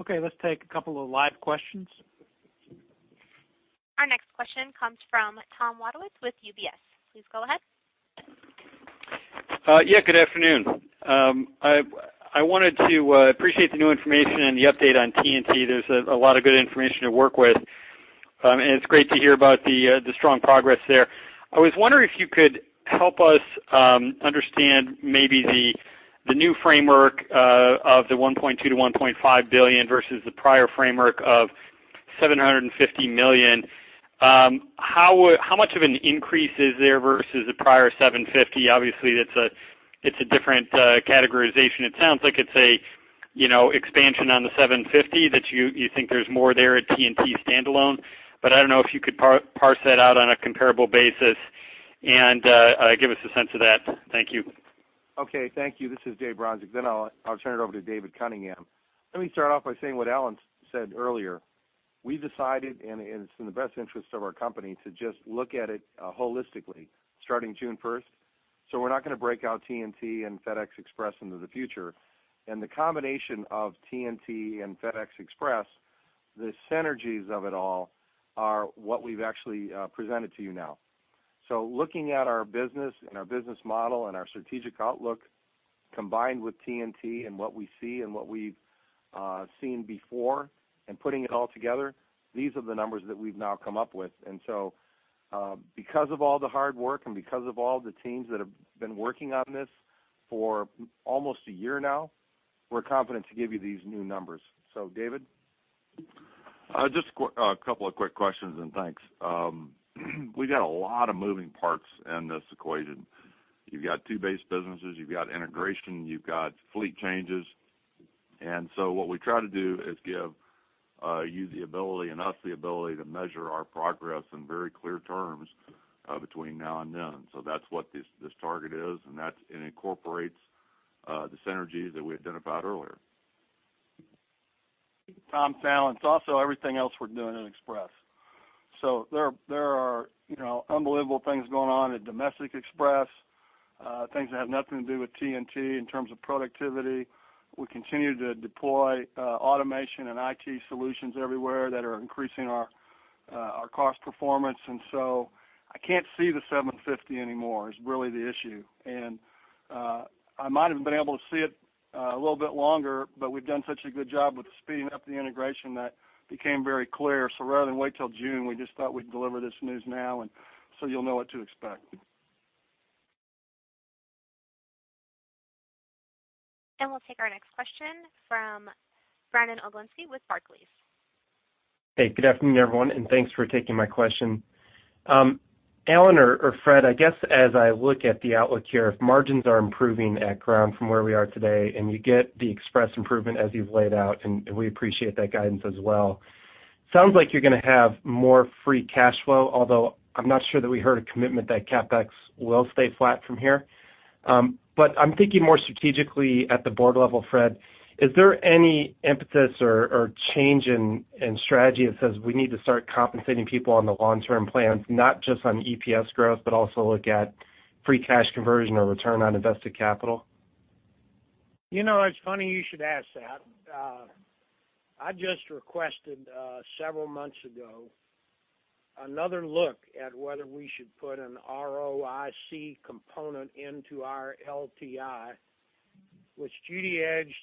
Okay, let's take a couple of live questions. Our next question comes from Tom Wadewitz with UBS. Please go ahead. Good afternoon. I wanted to appreciate the new information and the update on TNT. There's a lot of good information to work with, and it's great to hear about the strong progress there. I was wondering if you could help us understand maybe the new framework of $1.2 billion-$1.5 billion versus the prior framework of $750 million. How much of an increase is there versus the prior $750 million? Obviously, it's a different categorization. It sounds like it's a, you know, expansion on the $750 million, that you think there's more there at TNT standalone. But I don't know if you could parse that out on a comparable basis and give us a sense of that. Thank you. Okay, thank you. This is Dave Bronczek, then I'll, I'll turn it over to David Cunningham. Let me start off by saying what Alan said earlier. We decided, and it's in the best interest of our company, to just look at it, holistically, starting June first. So we're not gonna break out TNT and FedEx Express into the future. And the combination of TNT and FedEx Express, the synergies of it all, are what we've actually, presented to you now. So looking at our business and our business model and our strategic outlook, combined with TNT and what we see and what we've, seen before, and putting it all together, these are the numbers that we've now come up with. And so, because of all the hard work and because of all the teams that have been working on this for almost a year now, we're confident to give you these new numbers. So David? Just quick—a couple of quick questions, and thanks. We got a lot of moving parts in this equation. You've got two base businesses, you've got integration, you've got fleet changes. And so what we try to do is give you the ability and us the ability to measure our progress in very clear terms between now and then. So that's what this, this target is, and that's... It incorporates the synergies that we identified earlier. Tom, plus also, everything else we're doing in Express. So there are, you know, unbelievable things going on at Domestic Express, things that have nothing to do with TNT in terms of productivity. We continue to deploy, automation and IT solutions everywhere that are increasing our cost performance. And so I can't see the 750 anymore, is really the issue. And I might have been able to see it a little bit longer, but we've done such a good job with speeding up the integration that became very clear. So rather than wait till June, we just thought we'd deliver this news now, and so you'll know what to expect. We'll take our next question from Brandon Oglenski with Barclays. Hey, good afternoon, everyone, and thanks for taking my question. Alan or, or Fred, I guess as I look at the outlook here, if margins are improving at Ground from where we are today, and you get the Express improvement as you've laid out, and, and we appreciate that guidance as well. Sounds like you're gonna have more free cash flow, although I'm not sure that we heard a commitment that CapEx will stay flat from here. But I'm thinking more strategically at the board level, Fred, is there any emphasis or, or change in, in strategy that says we need to start compensating people on the long-term plans, not just on EPS growth, but also look at free cash conversion or return on invested capital? You know, it's funny you should ask that. I just requested, several months ago, another look at whether we should put an ROIC component into our LTI, which Judy Edge,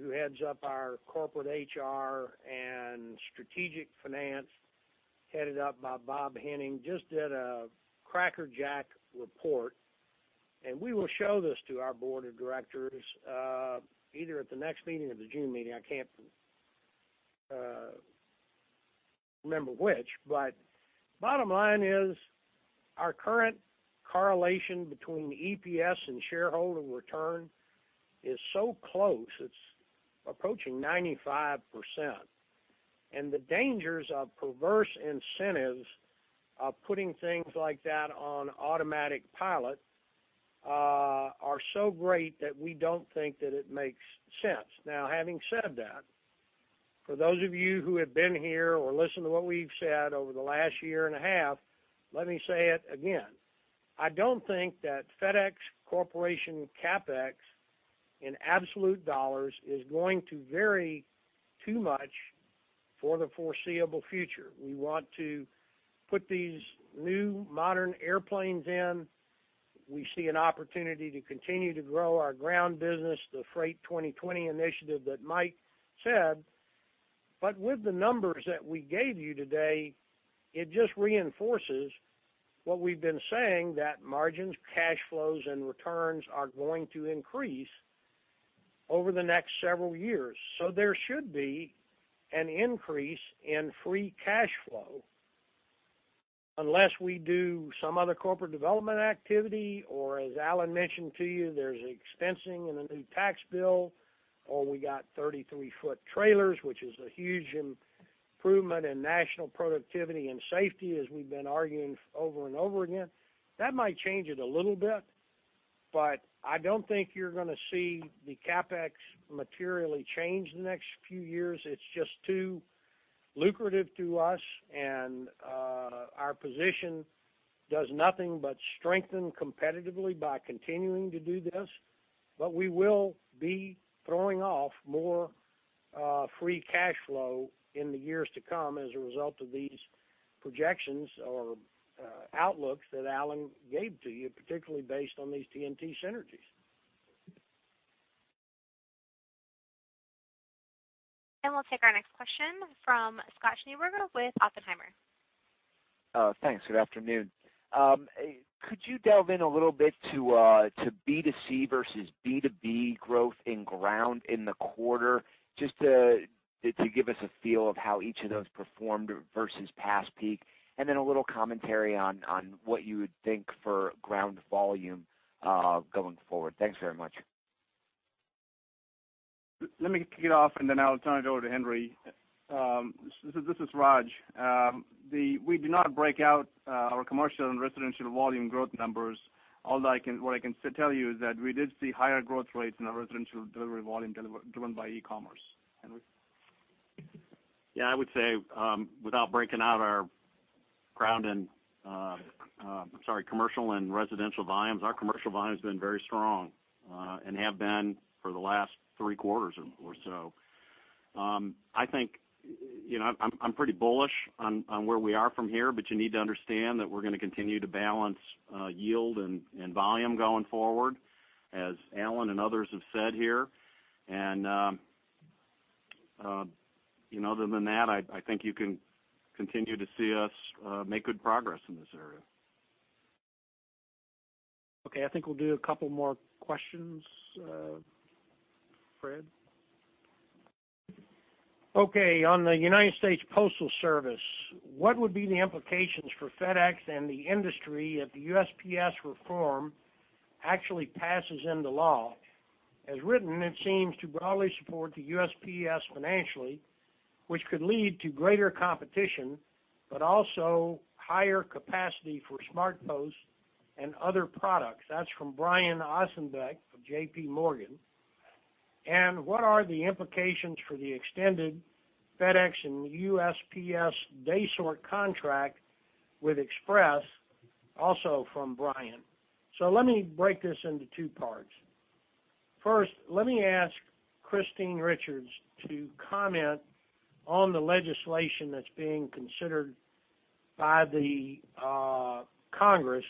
who heads up our corporate HR and strategic finance, headed up by Bob Henning, just did a crackerjack report, and we will show this to our board of directors, either at the next meeting or the June meeting. I can't remember which, but bottom line is, our current correlation between EPS and shareholder return is so close, it's approaching 95%. The dangers of perverse incentives of putting things like that on automatic pilot are so great that we don't think that it makes sense. Now, having said that, for those of you who have been here or listened to what we've said over the last year and a half, let me say it again. I don't think that FedEx Corporation CapEx, in absolute dollars, is going to vary too much for the foreseeable future. We want to put these new modern airplanes in. We see an opportunity to continue to grow our ground business, the Freight 20/20 initiative that Mike said. But with the numbers that we gave you today, it just reinforces what we've been saying, that margins, cash flows, and returns are going to increase over the next several years. So there should be an increase in free cash flow, unless we do some other corporate development activity, or as Alan mentioned to you, there's expensing in the new tax bill, or we got 33 ft trailers, which is a huge improvement in national productivity and safety, as we've been arguing over and over again. That might change it a little bit, but I don't think you're gonna see the CapEx materially change the next few years. It's just too lucrative to us, and our position does nothing but strengthen competitively by continuing to do this. But we will be throwing off more free cash flow in the years to come as a result of these projections or outlooks that Alan gave to you, particularly based on these TNT synergies. We'll take our next question from Scott Schneeberger with Oppenheimer. Thanks. Good afternoon. Could you delve in a little bit to B2C versus B2B growth in ground in the quarter, just to give us a feel of how each of those performed versus past peak? And then a little commentary on what you would think for ground volume going forward. Thanks very much. Let me kick it off, and then I'll turn it over to Henry. This is Raj. We do not break out our commercial and residential volume growth numbers, although what I can tell you is that we did see higher growth rates in our residential delivery volume driven by e-commerce. Henry? Yeah, I would say, without breaking out our commercial and residential volumes, our commercial volume has been very strong, and have been for the last three quarters or so. I think, you know, I'm pretty bullish on where we are from here, but you need to understand that we're gonna continue to balance yield and volume going forward, as Alan and others have said here. And, you know, other than that, I think you can continue to see us make good progress in this area. Okay, I think we'll do a couple more questions, Fred. Okay, on the United States Postal Service, what would be the implications for FedEx and the industry if the USPS reform actually passes into law? As written, it seems to broadly support the USPS financially, which could lead to greater competition, but also higher capacity for SmartPost and other products. That's from Brian Ossenbeck of J.P. Morgan. And what are the implications for the extended FedEx and USPS day sort contract with Express? Also from Brian. So let me break this into two parts. First, let me ask Christine Richards to comment on the legislation that's being considered by the Congress,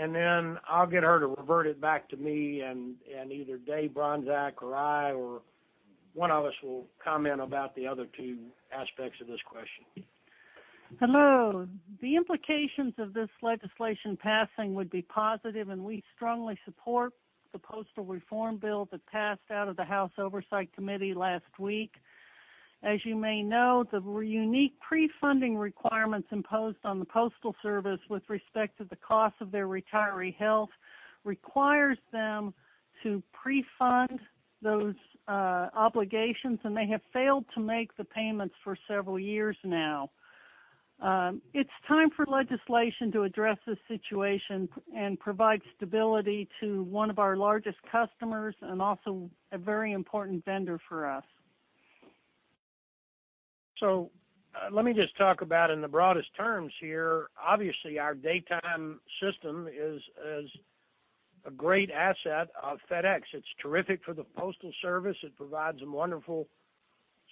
and then I'll get her to revert it back to me, and, and either Dave Bronczek or I, or one of us will comment about the other two aspects of this question. Hello. The implications of this legislation passing would be positive, and we strongly support the postal reform bill that passed out of the House Oversight Committee last week. As you may know, the unique pre-funding requirements imposed on the Postal Service with respect to the cost of their retiree health requires them to pre-fund those, obligations, and they have failed to make the payments for several years now. It's time for legislation to address this situation and provide stability to one of our largest customers and also a very important vendor for us. So let me just talk about in the broadest terms here. Obviously, our daytime system is a great asset of FedEx. It's terrific for the Postal Service. It provides a wonderful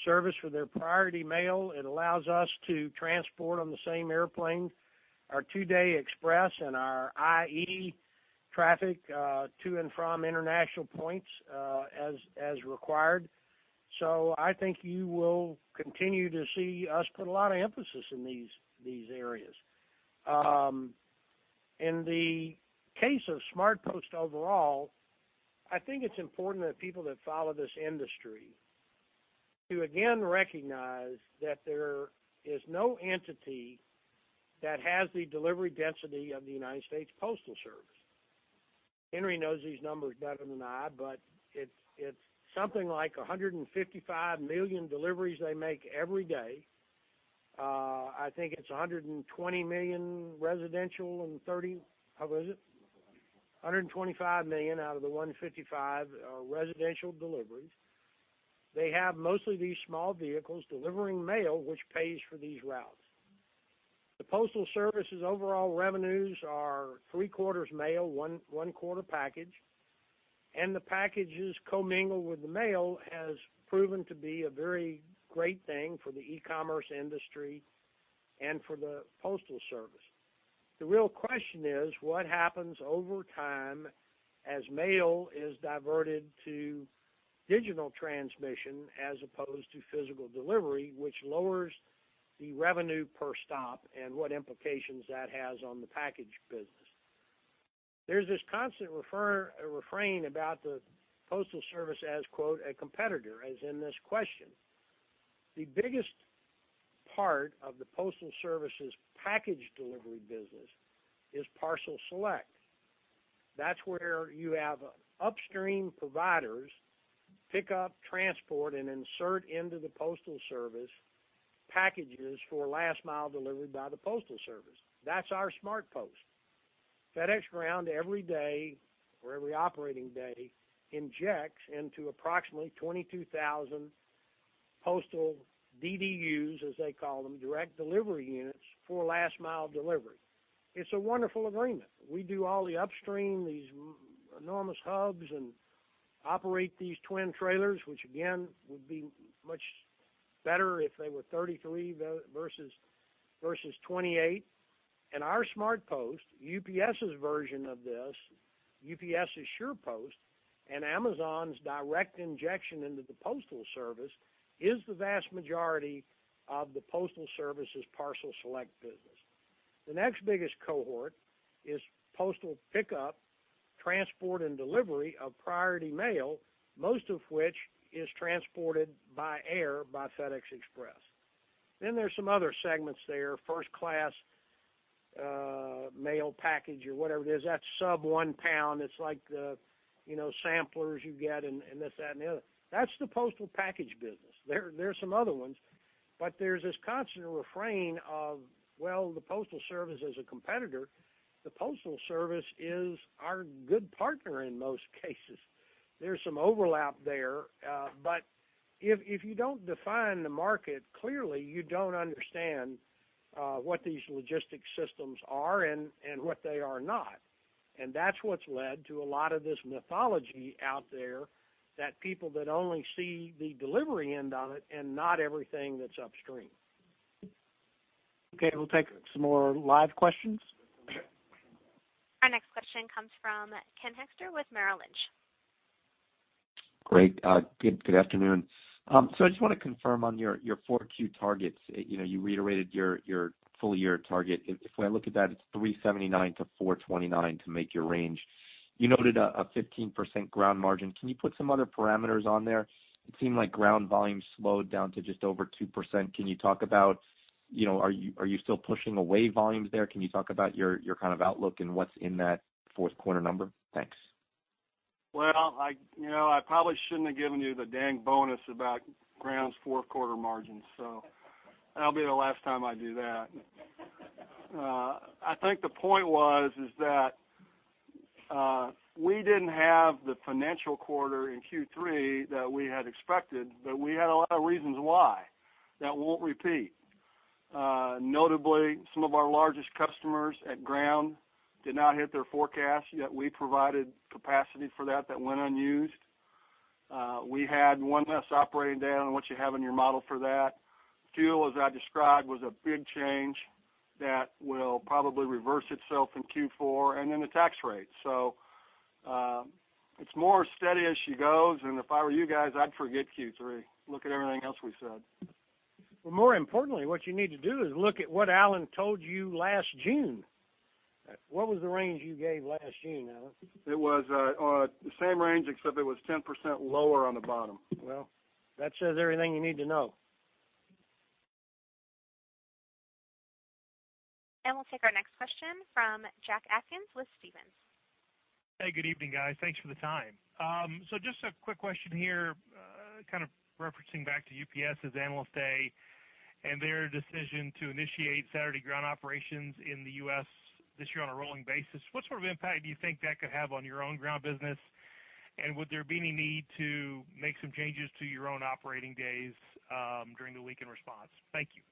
service for their Priority Mail. It allows us to transport on the same airplane, our two-day Express and our IE traffic, to and from international points, as required. So I think you will continue to see us put a lot of emphasis in these areas. In the case of SmartPost overall, I think it's important that people that follow this industry, to again recognize that there is no entity that has the delivery density of the United States Postal Service. Henry knows these numbers better than I, but it's something like 155 million deliveries they make every day. I think it's 120 million residential and 125 million out of the 155 are residential deliveries. They have mostly these small vehicles delivering mail, which pays for these routes. The Postal Service's overall revenues are three quarters mail, one quarter package, and the packages commingled with the mail has proven to be a very great thing for the e-commerce industry and for the Postal Service. The real question is, what happens over time as mail is diverted to digital transmission as opposed to physical delivery, which lowers the revenue per stop, and what implications that has on the package business? There's this constant refrain about the Postal Service as, quote, a competitor, as in this question. The biggest part of the Postal Service's package delivery business is Parcel Select. That's where you have upstream providers pick up, transport, and insert into the Postal Service packages for last mile delivery by the Postal Service. That's our SmartPost. FedEx Ground every day, or every operating day, injects into approximately 22,000 postal DDUs, as they call them, Direct Delivery Units, for last mile delivery. It's a wonderful agreement. We do all the upstream, these enormous hubs, and operate these twin trailers, which again, would be much better if they were 33 versus 28. And our SmartPost, UPS's version of this, UPS's SurePost, and Amazon's direct injection into the Postal Service, is the vast majority of the Postal Service's Parcel Select business. The next biggest cohort is postal pickup, transport, and delivery of priority mail, most of which is transported by air, by FedEx Express. Then there's some other segments there, First-Class Mail package or whatever it is, that's sub one pound. It's like the, you know, samplers you get and this, that, and the other. That's the postal package business. There are some other ones, but there's this constant refrain of, well, the Postal Service is a competitor. The Postal Service is our good partner, in most cases. There's some overlap there, but if you don't define the market clearly, you don't understand what these logistics systems are and what they are not. And that's what's led to a lot of this mythology out there, that people that only see the delivery end of it and not everything that's upstream. Okay, we'll take some more live questions. Our next question comes from Ken Hoexter with Merrill Lynch. Great. Good afternoon. So I just want to confirm on your 4Q targets. You know, you reiterated your full year target. If I look at that, it's $3.79-$4.29 to make your range. You noted a 15% Ground margin. Can you put some other parameters on there? It seemed like Ground volume slowed down to just over 2%. Can you talk about, you know, are you still pushing away volumes there? Can you talk about your kind of outlook and what's in that fourth quarter number? Thanks. Well, I, you know, I probably shouldn't have given you the dang bonus about Ground's fourth quarter margin, so that'll be the last time I do that. I think the point was, is that, we didn't have the financial quarter in Q3 that we had expected, but we had a lot of reasons why, that won't repeat. Notably, some of our largest customers at Ground did not hit their forecast, yet we provided capacity for that, that went unused. We had one less operating day on what you have in your model for that. Fuel, as I described, was a big change that will probably reverse itself in Q4, and then the tax rate. So, it's more steady as she goes, and if I were you guys, I'd forget Q3. Look at everything else we said. More importantly, what you need to do is look at what Alan told you last June. What was the range you gave last June, Alan? It was on the same range, except it was 10% lower on the bottom. Well, that says everything you need to know. We'll take our next question from Jack Atkins, with Stephens. Hey, good evening, guys. Thanks for the time. Just a quick question here, kind of referencing back to UPS's Analyst Day and their decision to initiate Saturday ground operations in the U.S. this year on a rolling basis. What sort of impact do you think that could have on your own ground business? And would there be any need to make some changes to your own operating days during the week in response? Thank you.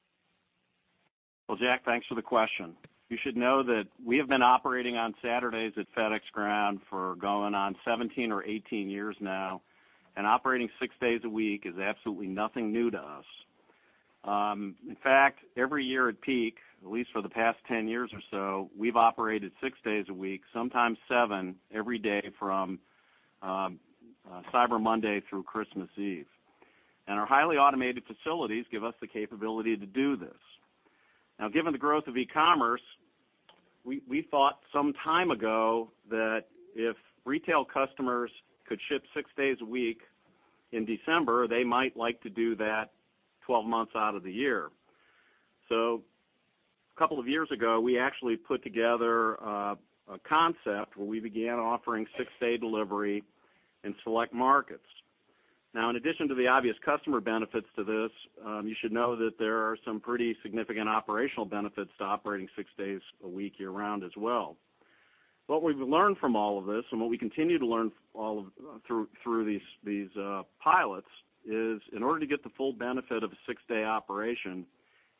Well, Jack, thanks for the question. You should know that we have been operating on Saturdays at FedEx Ground for going on 17 years or 18 years now, and operating six days a week is absolutely nothing new to us. In fact, every year at peak, at least for the past 10 years or so, we've operated six days a week, sometimes seven, every day from Cyber Monday through Christmas Eve, and our highly automated facilities give us the capability to do this. Now, given the growth of e-commerce, we thought some time ago that if retail customers could ship six days a week in December, they might like to do that 12 months out of the year. So a couple of years ago, we actually put together a concept where we began offering six-day delivery in select markets. Now, in addition to the obvious customer benefits to this, you should know that there are some pretty significant operational benefits to operating six days a week, year-round as well. What we've learned from all of this, and what we continue to learn through these pilots, is in order to get the full benefit of a six-day operation,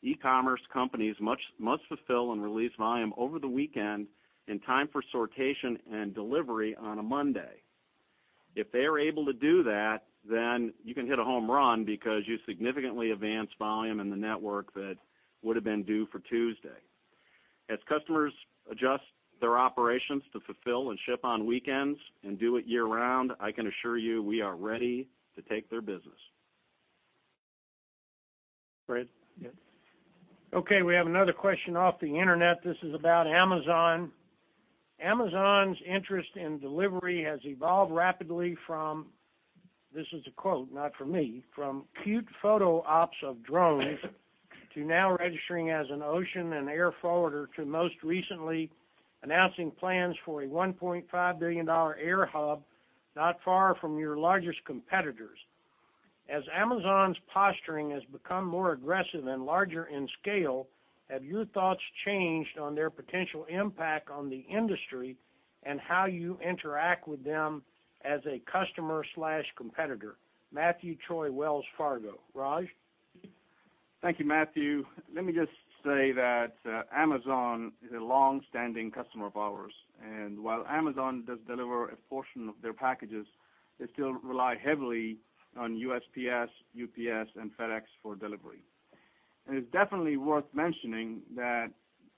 e-commerce companies must fulfill and release volume over the weekend in time for sortation and delivery on a Monday. If they are able to do that, then you can hit a home run because you significantly advance volume in the network that would have been due for Tuesday. As customers adjust their operations to fulfill and ship on weekends and do it year-round, I can assure you, we are ready to take their business. Fred, yeah. Okay, we have another question off the internet. This is about Amazon. Amazon's interest in delivery has evolved rapidly from, this is a quote, not from me, "From cute photo ops of drones, to now registering as an ocean and air forwarder, to most recently announcing plans for a $1.5 billion air hub, not far from your largest competitors. As Amazon's posturing has become more aggressive and larger in scale, have your thoughts changed on their potential impact on the industry, and how you interact with them as a customer/competitor?" Matthew Troy, Wells Fargo. Raj? Thank you, Matthew. Let me just say that, Amazon is a long-standing customer of ours, and while Amazon does deliver a portion of their packages, they still rely heavily on USPS, UPS, and FedEx for delivery. It's definitely worth mentioning that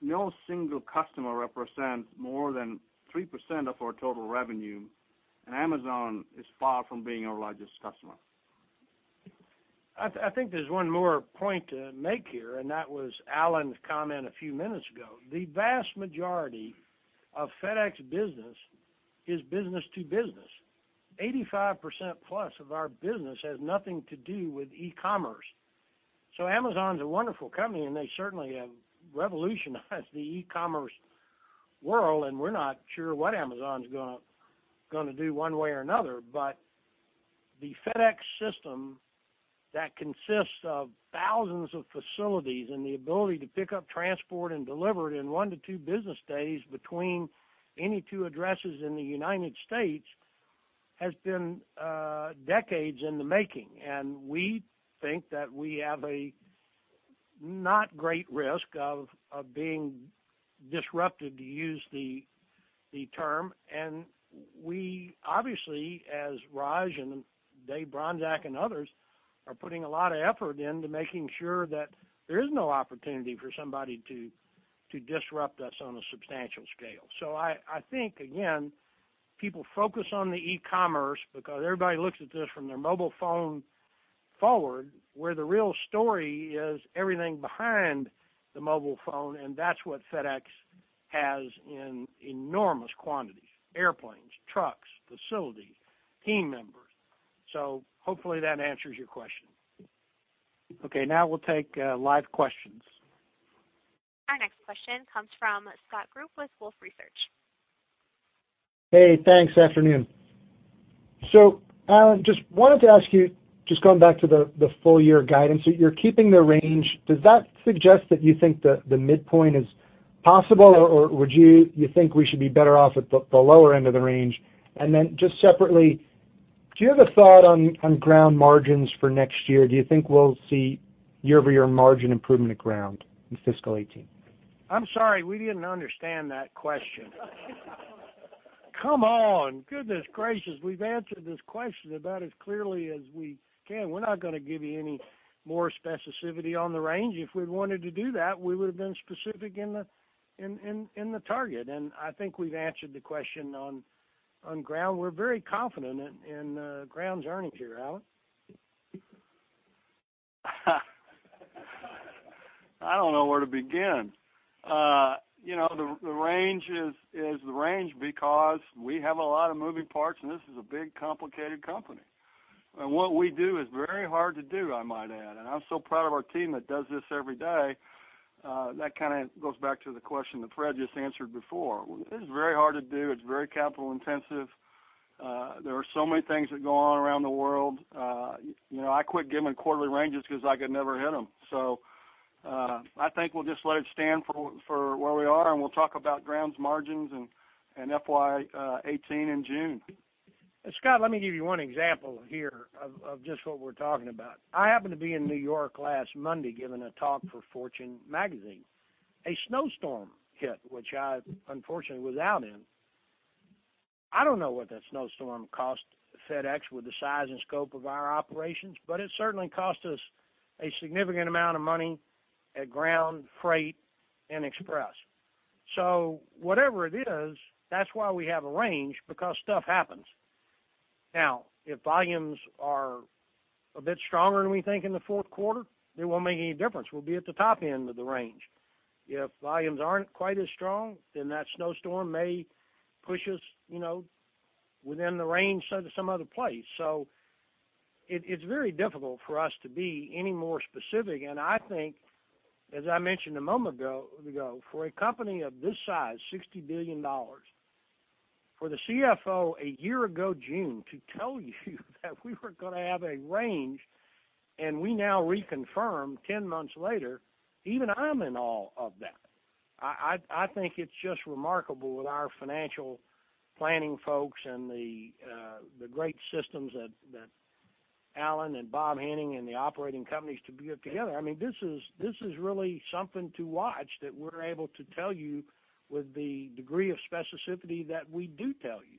no single customer represents more than 3% of our total revenue, and Amazon is far from being our largest customer. I think there's one more point to make here, and that was Alan's comment a few minutes ago. The vast majority of FedEx business is business to business. 85%+ of our business has nothing to do with e-commerce. So Amazon's a wonderful company, and they certainly have revolutionized the e-commerce world, and we're not sure what Amazon's gonna do one way or another. But the FedEx system that consists of thousands of facilities and the ability to pick up, transport, and deliver it in one to two business days between any two addresses in the United States has been decades in the making. And we think that we have a not great risk of being disrupted, to use the term. We, obviously, as Raj and Dave Bronczek and others, are putting a lot of effort into making sure that there is no opportunity for somebody to disrupt us on a substantial scale. So I think, again, people focus on the e-commerce because everybody looks at this from their mobile phone forward, where the real story is everything behind the mobile phone, and that's what FedEx has in enormous quantities: airplanes, trucks, facilities, team members. So hopefully that answers your question. Okay, now we'll take live questions. Our next question comes from Scott Schneeberger with Wolfe Research. Hey, thanks. Afternoon. So Alan, just wanted to ask you, just going back to the, the full year guidance, you're keeping the range. Does that suggest that you think the, the midpoint is possible, or, or would you, you think we should be better off at the, the lower end of the range? And then just separately, do you have a thought on, on Ground margins for next year? Do you think we'll see year-over-year margin improvement at Ground in fiscal 2018? I'm sorry, we didn't understand that question. Come on! Goodness gracious, we've answered this question about as clearly as we can. We're not gonna give you any more specificity on the range. If we wanted to do that, we would have been specific in the target, and I think we've answered the question on Ground. We're very confident in Ground's earnings year. Alan? I don't know where to begin. You know, the range is the range because we have a lot of moving parts, and this is a big, complicated company. And what we do is very hard to do, I might add, and I'm so proud of our team that does this every day. That kind of goes back to the question that Fred just answered before. It's very hard to do. It's very capital intensive. There are so many things that go on around the world. You know, I quit giving quarterly ranges because I could never hit them. So, I think we'll just let it stand for where we are, and we'll talk about Ground's margins and FY 2018 in June. Scott, let me give you one example here of just what we're talking about. I happened to be in New York last Monday, giving a talk for Fortune Magazine. A snowstorm hit, which I unfortunately was out in. I don't know what that snowstorm cost FedEx with the size and scope of our operations, but it certainly cost us a significant amount of money at Ground, Freight, and Express. So whatever it is, that's why we have a range, because stuff happens. Now, if volumes are a bit stronger than we think in the fourth quarter, it won't make any difference. We'll be at the top end of the range. If volumes aren't quite as strong, then that snowstorm may push us, you know, within the range to some other place. So it, it's very difficult for us to be any more specific. I think, as I mentioned a moment ago, for a company of this size, $60 billion, for the CFO a year ago, June, to tell you that we were going to have a range, and we now reconfirm 10 months later, even I'm in awe of that. I think it's just remarkable with our financial planning folks and the great systems that Alan and Bob Henning and the operating companies to be together. I mean, this is really something to watch, that we're able to tell you with the degree of specificity that we do tell you.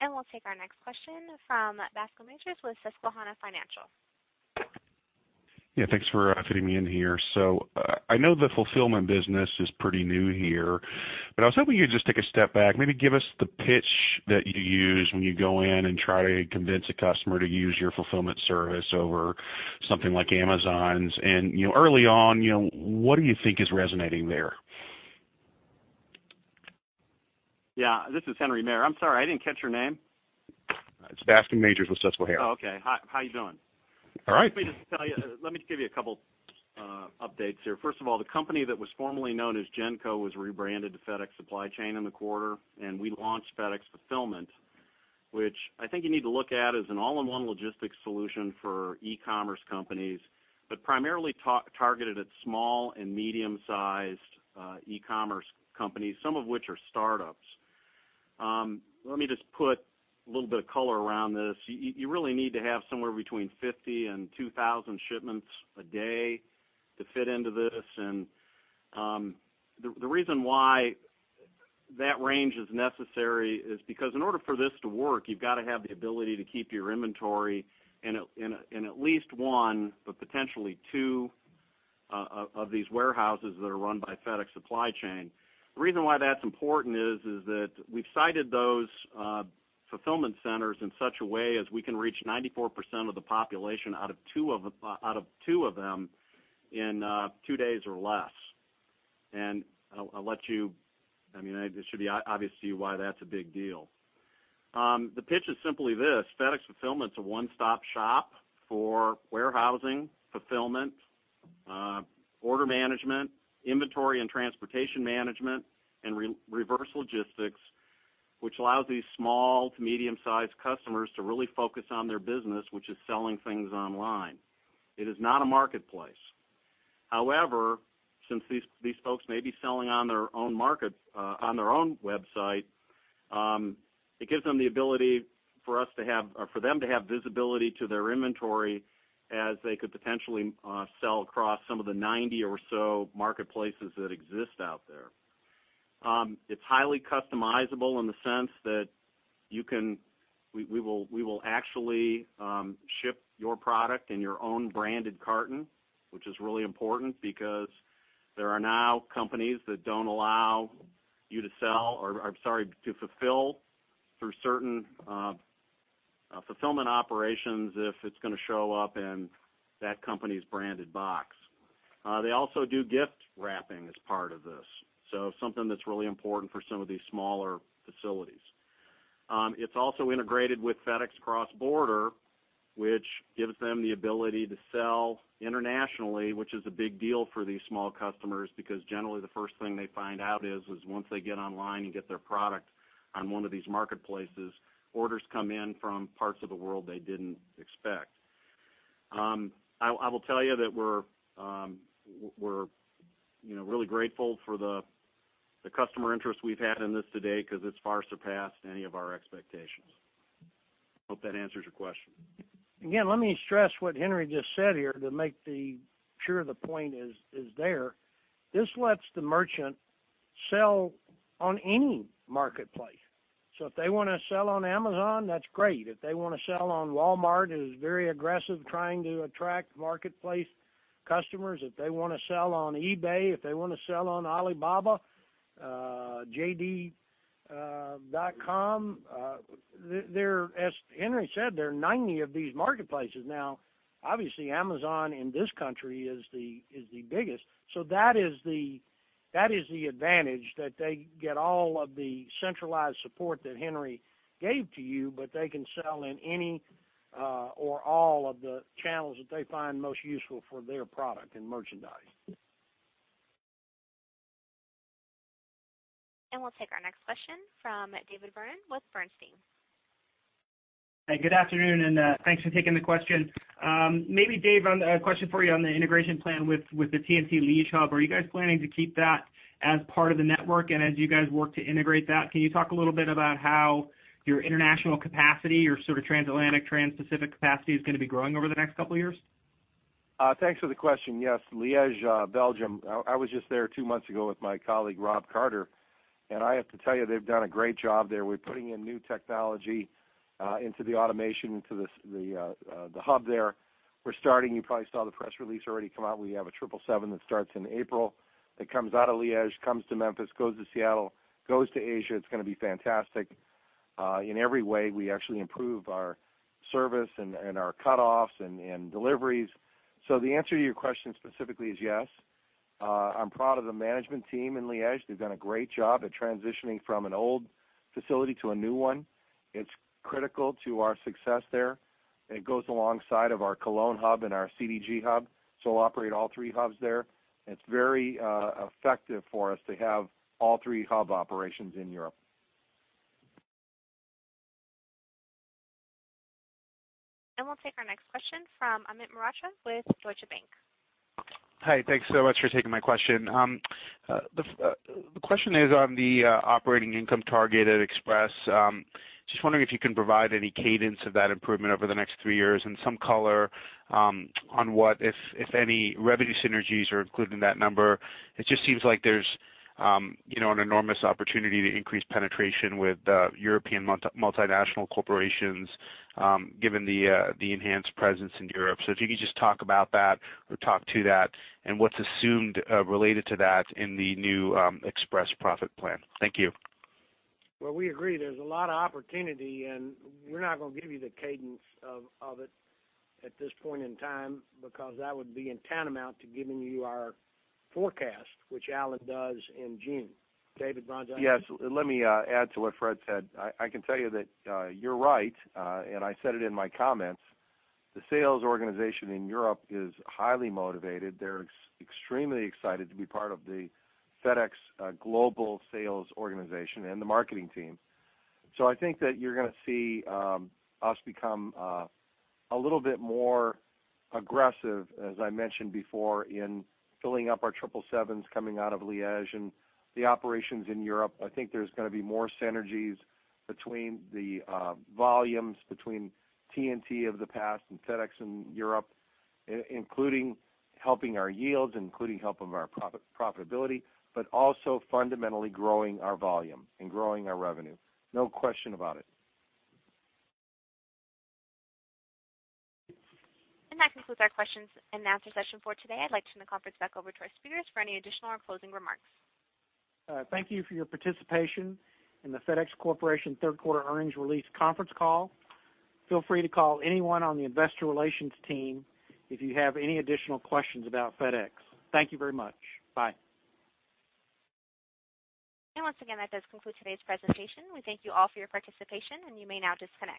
We'll take our next question from Bascome Majors with Susquehanna Financial. Yeah, thanks for fitting me in here. So, I know the fulfillment business is pretty new here, but I was hoping you'd just take a step back, maybe give us the pitch that you use when you go in and try to convince a customer to use your fulfillment service over something like Amazon's. And, you know, early on, you know, what do you think is resonating there? Yeah, this is Henry Maier. I'm sorry, I didn't catch your name. It's Bascome Majors with Susquehanna. Oh, okay. Hi, how are you doing? All right. Let me just tell you, let me just give you a couple updates here. First of all, the company that was formerly known as GENCO was rebranded to FedEx Supply Chain in the quarter, and we launched FedEx Fulfillment, which I think you need to look at as an all-in-one logistics solution for e-commerce companies, but primarily targeted at small and medium-sized e-commerce companies, some of which are startups. Let me just put a little bit of color around this. You, you really need to have somewhere between 50 shipments and 2,000 shipments a day to fit into this. And, the reason why that range is necessary is because in order for this to work, you've got to have the ability to keep your inventory in at least one, but potentially two of these warehouses that are run by FedEx Supply Chain. The reason why that's important is that we've cited those fulfillment centers in such a way as we can reach 94% of the population out of two of them in two days or less. And I'll let you... I mean, it should be obvious to you why that's a big deal. The pitch is simply this: FedEx Fulfillment is a one-stop shop for warehousing, fulfillment, order management, inventory and transportation management, and reverse logistics, which allows these small to medium-sized customers to really focus on their business, which is selling things online. It is not a marketplace. However, since these, these folks may be selling on their own market, on their own website, it gives them the ability for us to have, or for them to have visibility to their inventory as they could potentially sell across some of the 90 or so marketplaces that exist out there. It's highly customizable in the sense that we will actually ship your product in your own branded carton, which is really important because there are now companies that don't allow you to sell or, I'm sorry, to fulfill through certain fulfillment operations if it's going to show up in that company's branded box. They also do gift wrapping as part of this, so something that's really important for some of these smaller facilities. It's also integrated with FedEx Cross Border, which gives them the ability to sell internationally, which is a big deal for these small customers, because generally, the first thing they find out is once they get online and get their product on one of these marketplaces, orders come in from parts of the world they didn't expect. I will tell you that we're, you know, really grateful for the customer interest we've had in this today, because it's far surpassed any of our expectations. Hope that answers your question. Again, let me stress what Henry just said here to make sure the point is there. This lets the merchant sell on any marketplace. So if they want to sell on Amazon, that's great. If they want to sell on Walmart, it is very aggressive trying to attract marketplace customers. If they want to sell on eBay, if they want to sell on Alibaba, JD.com, there, as Henry said, there are 90 of these marketplaces. Now, obviously, Amazon in this country is the biggest. So that is the advantage, that they get all of the centralized support that Henry gave to you, but they can sell in any or all of the channels that they find most useful for their product and merchandise. We'll take our next question from David Vernon with Bernstein. Hi, good afternoon, and thanks for taking the question. Maybe, Dave, on a question for you on the integration plan with, with the TNT Liège hub. Are you guys planning to keep that as part of the network? And as you guys work to integrate that, can you talk a little bit about how your international capacity or sort of transatlantic, transpacific capacity is going to be growing over the next couple of years? Thanks for the question. Yes, Liège, Belgium. I was just there two months ago with my colleague, Rob Carter. ... I have to tell you, they've done a great job there. We're putting in new technology into the automation, into the hub there. We're starting, you probably saw the press release already come out. We have a triple seven that starts in April. It comes out of Liège, comes to Memphis, goes to Seattle, goes to Asia. It's gonna be fantastic in every way. We actually improve our service and our cutoffs and deliveries. So the answer to your question specifically is yes. I'm proud of the management team in Liège. They've done a great job at transitioning from an old facility to a new one. It's critical to our success there. It goes alongside of our Cologne hub and our CDG hub, so we'll operate all three hubs there. It's very effective for us to have all three hub operations in Europe. We'll take our next question from Amit Mehrotra with Deutsche Bank. Hi. Thanks so much for taking my question. The question is on the operating income target at Express. Just wondering if you can provide any cadence of that improvement over the next three years and some color on what, if any, revenue synergies are included in that number. It just seems like there's, you know, an enormous opportunity to increase penetration with European multinational corporations given the enhanced presence in Europe. So if you could just talk about that or talk to that, and what's assumed related to that in the new Express profit plan. Thank you. Well, we agree there's a lot of opportunity, and we're not gonna give you the cadence of it at this point in time, because that would be tantamount to giving you our forecast, which Alan does in June. David Bronczek? Yes, let me, add to what Fred said. I, I can tell you that, you're right, and I said it in my comments. The sales organization in Europe is highly motivated. They're extremely excited to be part of the FedEx, global sales organization and the marketing team. So I think that you're gonna see, us become, a little bit more aggressive, as I mentioned before, in filling up our triple sevens coming out of Liège and the operations in Europe. I think there's gonna be more synergies between the, volumes, between TNT of the past and FedEx in Europe, including helping our yields, including helping our profitability, but also fundamentally growing our volume and growing our revenue. No question about it. That concludes our questions and answer session for today. I'd like to turn the conference back over to our speakers for any additional or closing remarks. Thank you for your participation in the FedEx Corporation third quarter earnings release conference call. Feel free to call anyone on the investor relations team if you have any additional questions about FedEx. Thank you very much. Bye. Once again, that does conclude today's presentation. We thank you all for your participation, and you may now disconnect.